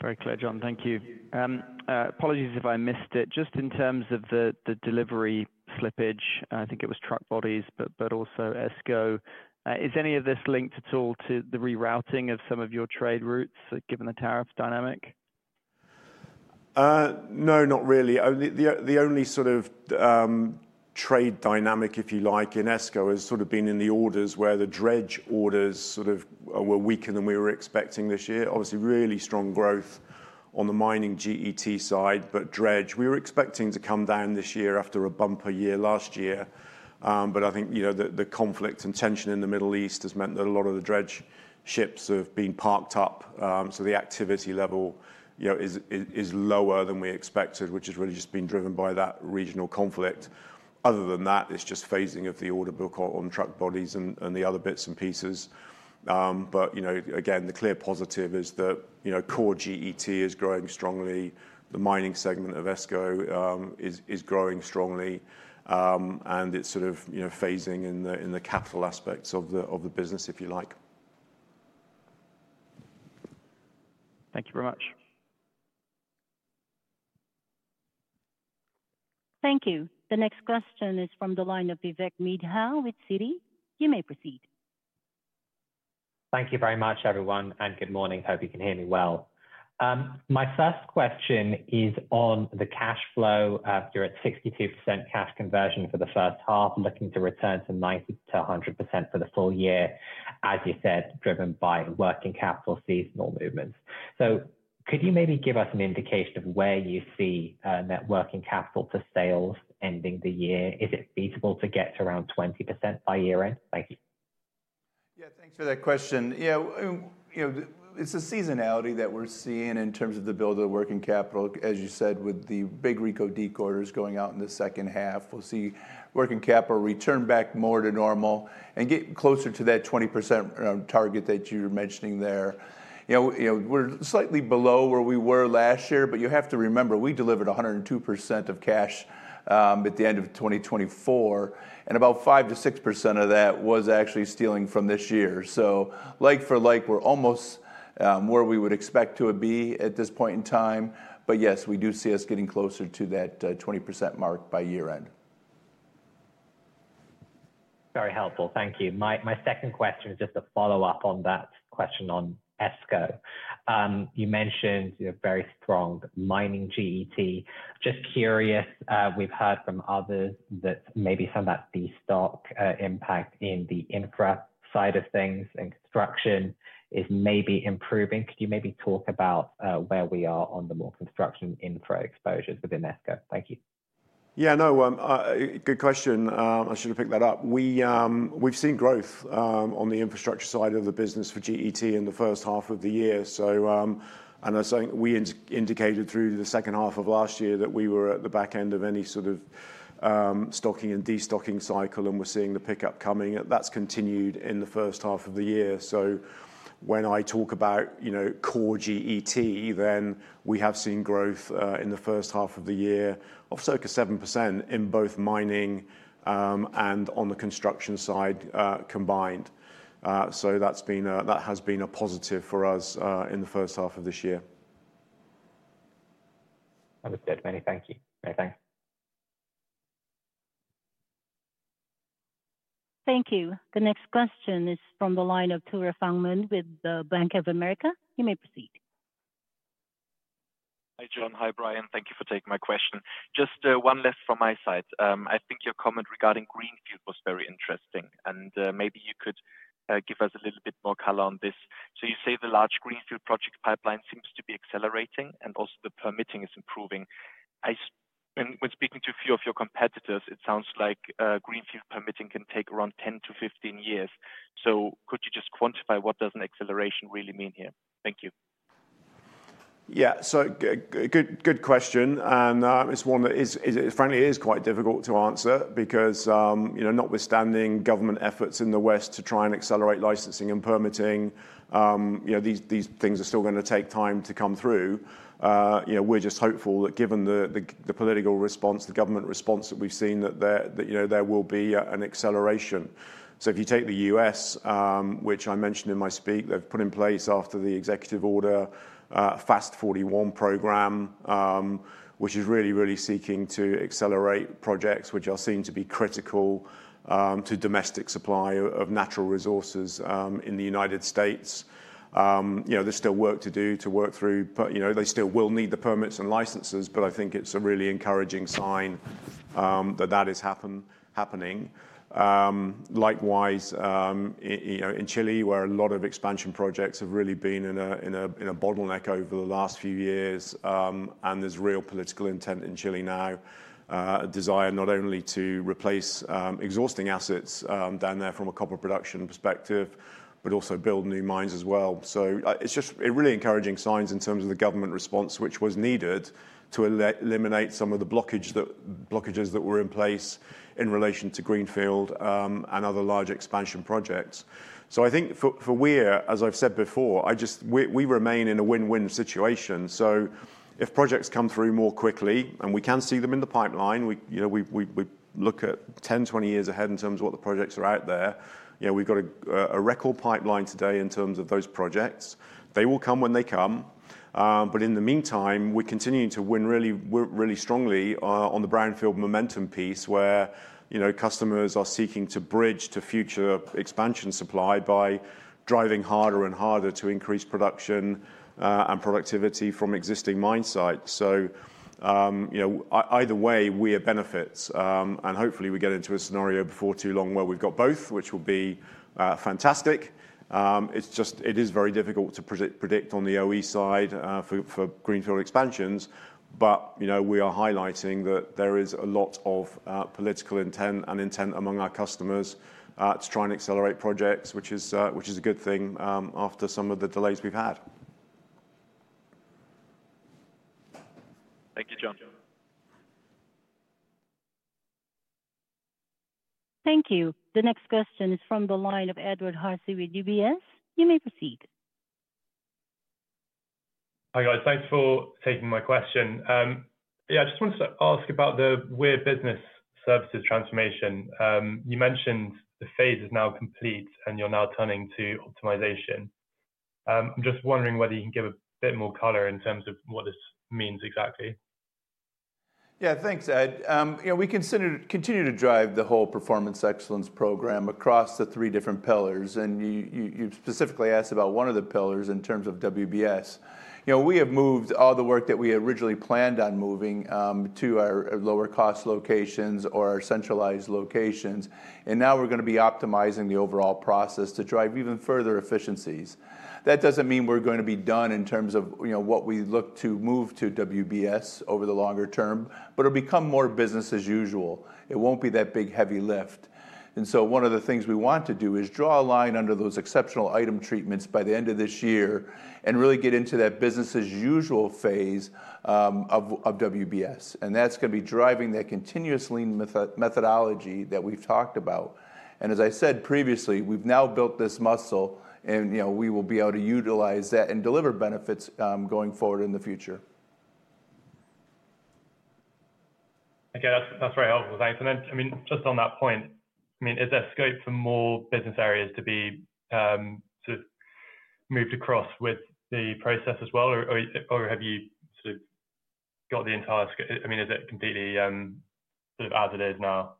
Very clear, Jon. Thank you. Apologies if I missed it, just in terms of the delivery slippage. I think it was truck bodies, but also ESCO. Is any of this linked at all to the rerouting of some of your trade routes given the tariff dynamic? No, not really. The only sort of trade dynamic, if you like, in ESCO has sort of been in the orders where the dredge orders were weaker than we were expecting this year. Obviously, really strong growth on the mining side. Dredge we were expecting to come down this year after a bumper year last year. I think the conflict and tension in the Middle East has meant that a lot of the dredge ships have been parked up. The activity level is lower than we expected, which has really just been driven by that regional conflict. Other than that, it's just phasing of the order book on truck bodies and the other bits and pieces. Again, the clear positive is that core GET is growing strongly. The mining segment of ESCO is growing strongly. It's phasing in the capital aspects of the business, if you like. Thank you very much. Thank you. The next question is from the line of Vivek Midha with Citi. You may proceed. Thank you very much everyone, and good morning. Hope you can hear me well. My first question is on the cash flow after its 62% cash conversion for the first half, looking to return to 90%-100% for the full year, as you said, driven by working capital seasonal movements. Could you maybe give us an indication of where you see net working capital for sales ending the year? Is it feasible to get to around 20% by year end? Thank you. Yeah, thanks for that question. It's a seasonality that we're seeing in terms of the build of working capital. As you said, with the big orders going out in the second half, we'll see working capital return back more to normal and get closer to that 20% target that you're mentioning there. We're slightly below where we were last. Year, but you have to remember we. Delivered 102% of cash at the end of 2024, and about 5%-6% of that was actually stealing from this year. Like for like, we're almost where we would expect to be at this point in time. Yes, we do see us getting closer to that 20% mark by year end. Very helpful, thank you. My second question is just a follow-up on that question on ESCO. You mentioned very strong mining get. Just curious, we've heard from others that maybe some of the stock impact in the infra side of things and construction is maybe improving. Could you maybe talk about where we are on the more construction infra exposures within ESCO? Thank you. Yeah, no, good question. I should have picked that up. We've seen growth on the infrastructure side of the business for Weir in the first half of the year, and I think we indicated through the second half of last year that we were at the back end of any sort of stocking and destocking cycle, and we're seeing the pickup coming that's continued in the first half of the year. When I talk about core Weir, then we have seen growth in the first half of the year of circa 7% in both mining and on the construction side combined. That has been a positive for us in the first half of this year. That was good. Many thanks. Thank you. The next question is from the line of Tore Fangmann with Bank of America. You may proceed. Hi Jon. Hi Brian. Thank you for taking my question, just one left from my side. I think your comment regarding greenfield was very interesting, and maybe you could give us a little bit more color on this. You say the large greenfield project pipeline seems to be accelerating, and also the permitting is improving. When speaking to a few of your competitors, it sounds like greenfield permitting can take around 10 to 15 years. Could you just quantify what does an acceleration really mean here? Thank you. Yeah, good question. It's one that frankly is quite difficult to answer because, notwithstanding government efforts in the West to try and accelerate licensing and permitting, these things are still going to take time to come through. We're just hopeful that given the political response, the government response that we've seen, there will be an acceleration. If you take the U.S., which I mentioned in my speech, they've put in place after the executive order FAST-41 program, which is really, really seeking to accelerate projects which are seen to be critical to domestic supply of natural resources in the United States. There's still work to do to work through. They still will need the permits and licenses. I think it's a really encouraging sign that that is happening, likewise in Chile where a lot of expansion projects have really been in a bottleneck over the last few years. There's real political intent in Chile now, a desire not only to replace exhausting assets down there from a copper production perspective, but also build new mines as well. It's just really encouraging signs in terms of the government response which was needed to eliminate some of the blockages that were in place in relation to greenfield and other large expansion projects. I think for Weir, as I've said before, we remain in a win-win situation. If projects come through more quickly. We can see them in the. Pipeline, we look at 10, 20 years ahead in terms of what the projects are out there. We've got a record pipeline today in terms of those projects. They will come when they come. In the meantime, we're continuing to win really, really strongly on the brownfield momentum piece where customers are seeking to bridge to future expansion supply by driving harder and harder to increase production and productivity from existing mine sites. Either way we are benefits and hopefully we get into a scenario before too long where we've got both, which will be fantastic. It is very difficult to predict on the OE side for greenfield expansions. We are highlighting that there is a lot of political intent and intent among our customers to try and accelerate projects, which is a good thing after some of the delays we've had. Thank you, Jon. Thank you. The next question is from the line of Edward Hussey with UBS. You may proceed. Hi guys. Thanks for taking my question. I just wanted to ask about the Weir Business Services transformation you mentioned. The phase is now complete and you're now turning to optimization. I'm just wondering whether you can give a bit more color in terms of what this means exactly. Yeah. Thanks, Ed. You know, we continue to drive the whole Performance Excellence program across the three different pillars. You specifically asked about one of the pillars in terms of WBS. We have moved all the work that we originally planned on moving to our lower cost locations or our centralized locations, and now we're going to be optimizing the overall process to drive even further efficiencies. That doesn't mean we're going to be done in terms of what we look to move to WBS over the longer term, but it'll become more business as usual. It won't be that big heavy lift. One of the things we want to do is draw a line under those exceptional item treatments by the end of this year and really get into that business as usual phase of WBS. That's going to be driving that continuous lean methodology that we've talked about. As I said previously, we've now built this muscle and we will be able to utilize that and deliver benefits going forward in the future. Okay, that's very helpful, thanks. Just on that point, is there scope for more business areas to be sort of moved across with the process as well, or have you sort of got the entire— I mean, is it completely as it is now?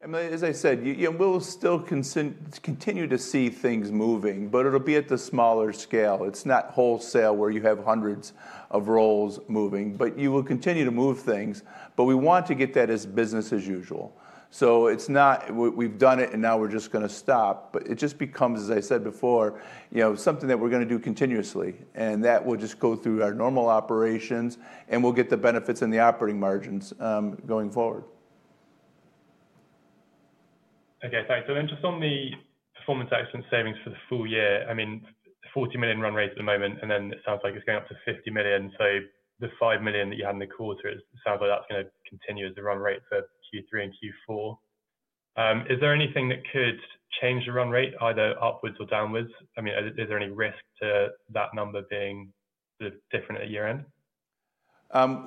Emily, as I said, we'll still continue to see things moving, but it'll be at the smaller scale. It's not wholesale where you have hundreds of roles moving, you will continue to move things. We want to get that as business as usual. It's not we've done it and now we're just going to stop, it just becomes, as I said before, something that we're going to do continuously and that will just go through our normal operations, and we'll get the benefits in the operating margins going forward. Okay, thanks. Just on the Performance Excellence savings for the full year, I mean 40 million run rate at the moment and it sounds like it's going up to 50 million. The 5 million that you had in the quarter, it sounds like that's going to continue as the run rate for Q3 and Q4. Is there anything that could change the run rate either upwards or downwards? Is there any risk to that number being different at year end?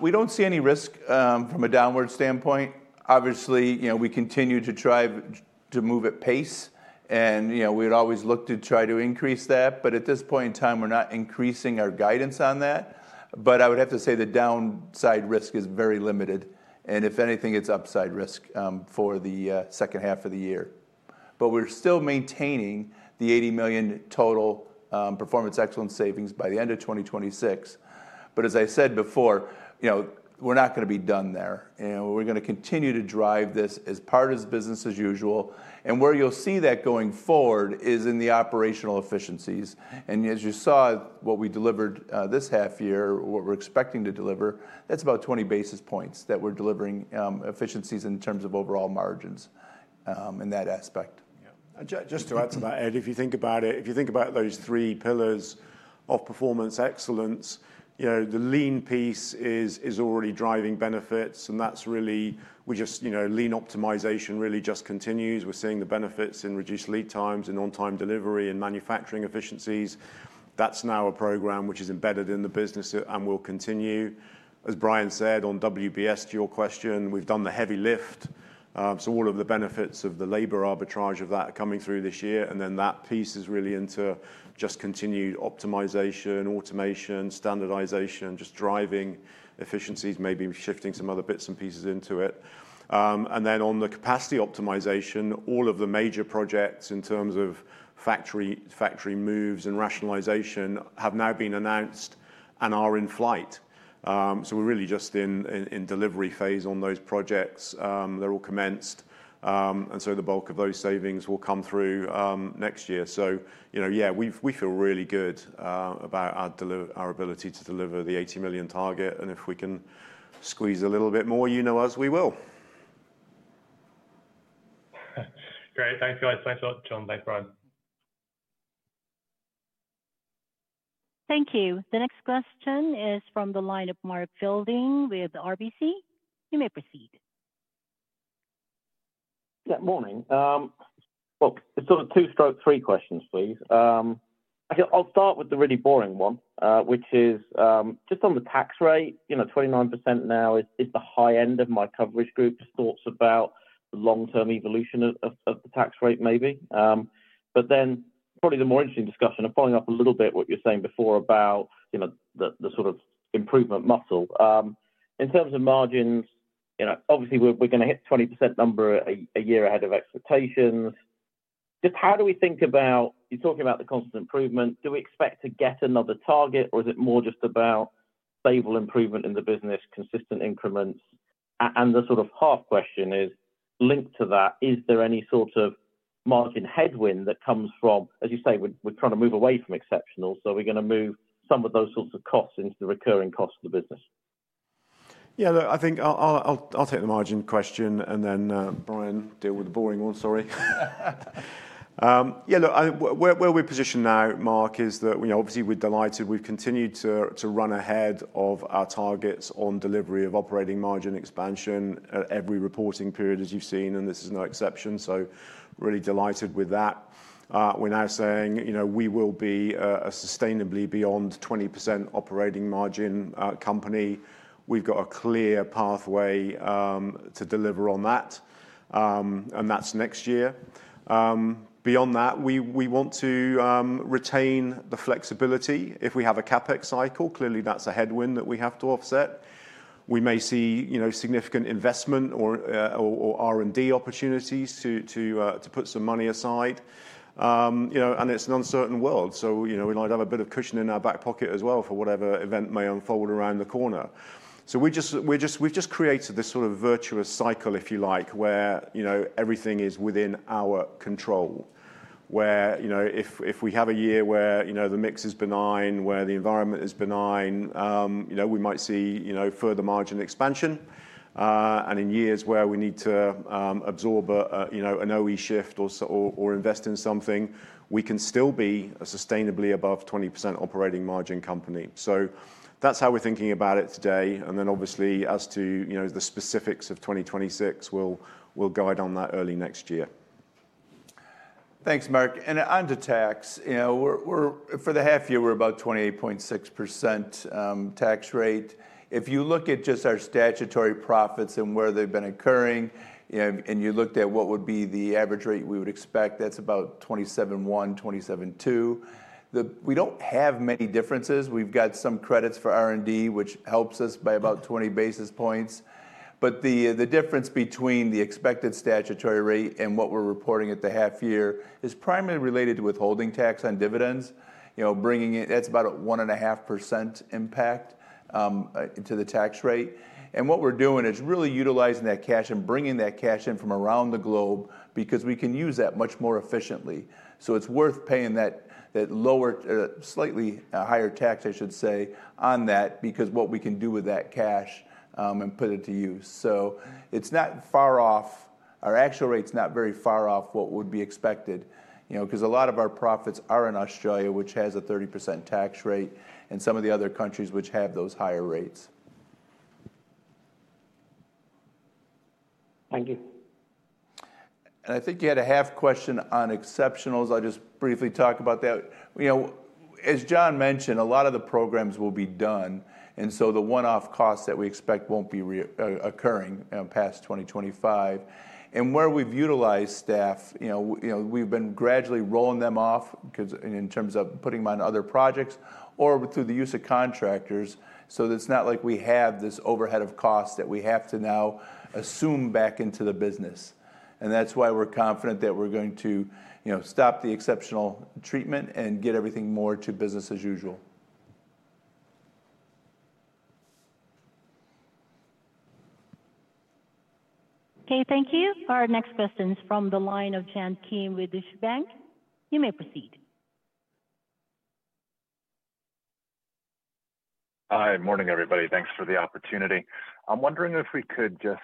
We don't see any risk from a downward standpoint. Obviously, you know, we continue to try to move at pace and, you know, we'd always look to try to increase that. At this point in time, we're not increasing our guidance on that. I would have to say the downside risk is very limited, and if anything, it's upside risk for the second half of the year. We're still maintaining the 80 million total Performance Excellence program savings by the end of 2026. As I said before, you know, we're not going to be done there and we're going to continue to drive this as part of business as usual. Where you'll see that going forward is in the operational efficiencies. As you saw what we delivered this half year, what we're expecting to deliver, that's about 20 basis points that we're delivering—efficiencies in terms of overall margins in that aspect. Just to add to that, Ed, if you think about it, if you think about those three pillars of Performance Excellence, you know the lean piece is already driving benefits and that's really, we just, you know, lean optimization really just continues. We're seeing the benefits in reduced lead times and on-time delivery and manufacturing efficiencies. That's now a program which is embedded in the business and will continue as Brian said on WBS. To your question, we've done the heavy lift. All of the benefits of the labor arbitrage of that are coming through this year and that piece is really into just continued optimization, automation, standardization, just driving efficiencies, maybe shifting some other bits and pieces into it and then on the capacity optimization. All of the major projects in terms of factory moves and rationalization have now been announced and are in flight. We're really just in delivery phase on those projects. They're all commenced and the bulk of those savings will come through next year. We feel really good about our ability to deliver the 80 million target and if we can squeeze a little bit more, you know, as we will. Great. Thanks, guys. Thanks a lot, Jon. Thanks, Brian. Thank you. The next question is from the line of Mark Fielding with RBC. You may proceed. Good morning. It's sort of two, three questions please. I'll start with the really boring one, which is just on the tax rate. You know, 29% now is the high end of my coverage group. Thoughts about long-term evolution of the tax rate maybe. Probably the more interesting discussion of following up a little bit what you're saying before about the sort of improvement muscle in terms of margins. Obviously we're going to hit 20% number a year ahead of expectations. Just how do we think about, you're talking about the constant improvement. Do we expect to get another target or is it more just about stable improvement in the business, consistent increments? The sort of half question is linked to that. Is there any sort of margin headwind that comes from, as you say, we're trying to move away from exceptional, so we're going to move some of those sorts of costs into the recurring cost of the business. Yeah, look, I think I'll take the margin question and then Brian, deal with the boring one. Sorry. Yeah, look where we're positioned now, Mark, is that obviously we're delighted we've continued to run ahead of our targets on delivery of operating margin expansion every reporting period, as you've seen, and this is no exception. Really delighted with that. We're now saying, you know, we will be sustainably beyond 20% operating margin company. We've got a clear pathway to deliver on that and that's next year. Beyond that we want to retain the flexibility. If we have a CapEx cycle, clearly that's a headwind that we have to offset. We may see significant investment or R&D opportunities to put some money aside, and it's an uncertain world, so we might have a bit of cushion in our back pocket as well for whatever event may unfold around the corner. We've just created this sort of. Virtuous cycle, if you like, where everything is within our control, where if we have a year where the mix is benign, where the environment is benign, we might see further margin expansion, and in years where we need to absorb an OE shift or invest in something, we can still be a sustainably above 20% operating margin company. That's how we're thinking about it today. Obviously, as to the specifics of 2026, we'll guide on that early next year. Thanks, Mark. Onto tax for the half year, we're about 28.6% tax rate. If you look at just our statutory profits and where they've been occurring and you looked at what would be the average rate we would expect, that's about 27.1%, 27.2%. We don't have many differences. We've got some credits for R&D which helps us by about 20 basis points, but the difference between the expected statutory rate and what we're reporting at the half year is primarily related to withholding tax on dividends. Bringing it, that's about a 1.5% impact to the tax rate. What we're doing is really utilizing that cash and bringing that cash in from around the globe because we can use that much more efficiently. It's worth paying that slightly higher tax on that, because what we can do with that cash and put it to use. It's not far off, our actual rate's not very far off what would be expected, because a lot of our profits are in Australia which has a 30% tax rate and some of the other countries which have those higher rates. Thank you. I think you had a half question on expense exceptionals. I'll just briefly talk about that. As Jon mentioned, a lot of the programs will be done, and the one-off costs that we expect won't be occurring past 2025. Where we've utilized staff, we've been gradually rolling them off in terms of putting them on other projects or through the use of contractors. It's not like we have this overhead of cost that we have to now assume back into the business. That's why we're confident that we're going to stop the exceptional treatment and get everything more to business as usual. Okay, thank you. Our next question is from the line of John Kim with Deutsche Bank. You may proceed. Hi. Morning everybody. Thanks for the opportunity. I'm wondering if we could just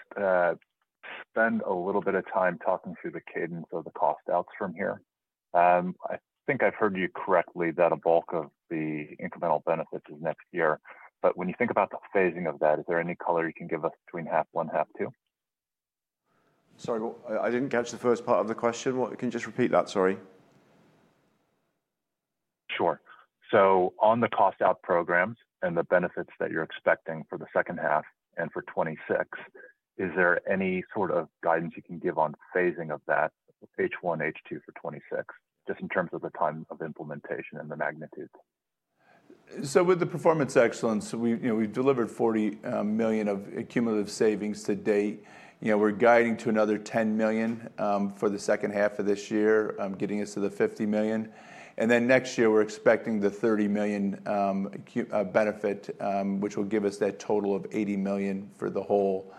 spend a little bit of time talking through the cadence of the cost outs from here. I think I've heard you correctly that a bulk of the incremental benefits is next year. When you think about the phasing of that, is there any color you can give us between half one, half two? Sorry, I didn't catch the first part of the question. Can you just repeat that? Sorry. On the cost out programs and the benefits that you're expecting for the second half and for 2026, is there any sort of guidance you can give on phasing of that H1 H2 for 2026, just in terms of the time of implementation and the magnitude? With the Performance Excellence program, we've delivered 40 million of cumulative savings to date. We're guiding to another 10 million for the second half of this year, getting us to the 50 million. Next year we're expecting the 30 million benefit, which will give us that total of 80 million for the whole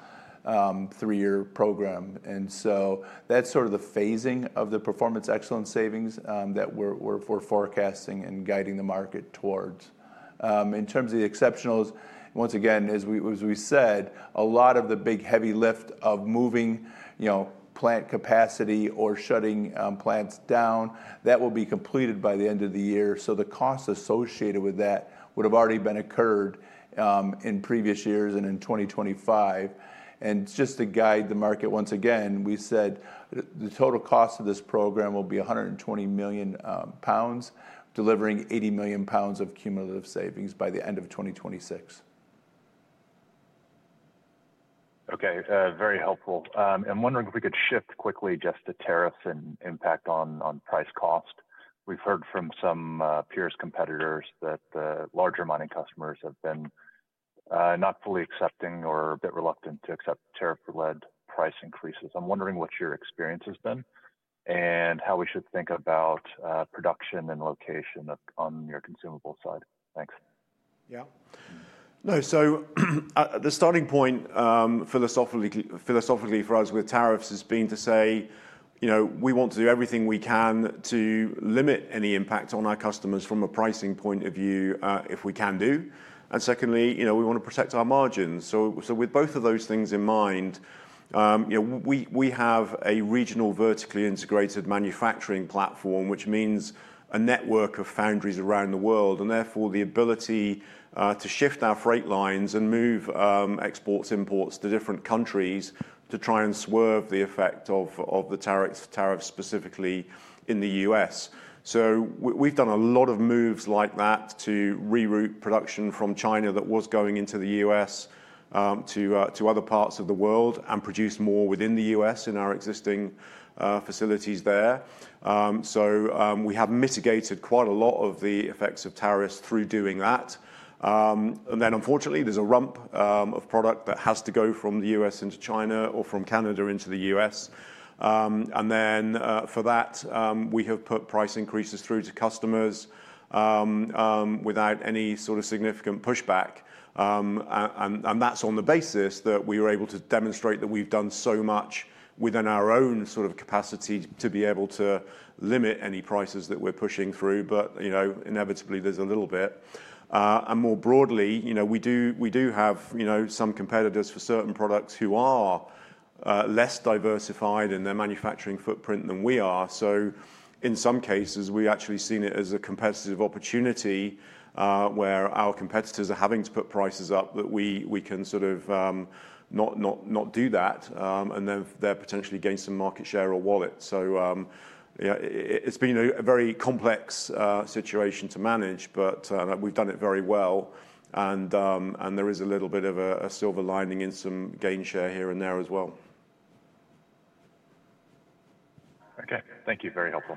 three-year program. That's the phasing of the Performance Excellence savings that we're forecasting and guiding the market towards in terms of the exceptionals. Once again, as we said, a lot of the big heavy lift of moving plant capacity or shutting plants down, that will be completed by the end of the year. The costs associated with that would have already been incurred in previous years and in 2025. Just to guide the market once again, we said the total cost of this program will be 120 million pounds, delivering 80 million pounds of cumulative savings by the end of 2026. Okay, very helpful. I'm wondering if we could shift quickly just to tariffs and impact on price cost. We've heard from some peers, competitors, that larger mining customers have been not fully accepting or a bit reluctant to accept tariff-led price increases. I'm wondering what your experience has been and how we should think about production and location on your consumable side. Thanks. Yeah, no, so the starting point philosophically for us with tariffs has been to say we want to do everything we can to limit any impact on our customers from a pricing point of view, if we can do. Secondly, we want to protect our margins. With both of those things in mind, we have a regional vertically integrated manufacturing platform, which means a network of foundries around the world and therefore the ability to shift our freight lines and move exports, imports to different countries to try and swerve the effect of the tariffs, specifically in the U.S. We have done a lot of moves like that to reroute production from China that was going into the U.S. to other parts of the world and produce more within the U.S. in our existing facilities there. We have mitigated quite a lot of the effects of tariffs through doing that. Unfortunately, there's a rump of product that has to go from the U.S. into China or from Canada into the U.S., and for that we have put price increases through to customers without any sort of significant pushback. That's on the basis that we were able to demonstrate that we've done so much within our own sort of capacity to be able to limit any prices that we're pushing through. You know, inevitably there's a little bit. More broadly, we do have some competitors for certain products who are less diversified in their manufacturing footprint than we are. In some cases, we actually have seen it as a competitive opportunity where our competitors are having to put prices up that we can sort of not do that and then potentially gain some market share or wallet. It's been a very complex situation to manage, but we've done it very well. There is a little bit of a silver lining in some gain share here and there as well. Okay, thank you. Very helpful.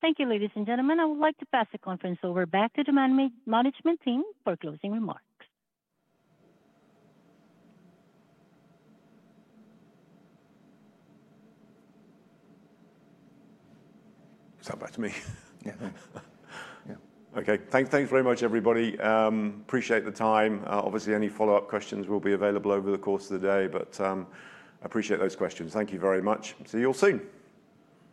Thank you. Ladies and gentlemen, I would like to pass the conference over back to the management team for closing remarks. Okay, thanks very much everybody. Appreciate the time. Obviously, any follow-up questions will be available over the course of the day, but appreciate those questions. Thank you very much. See you all soon.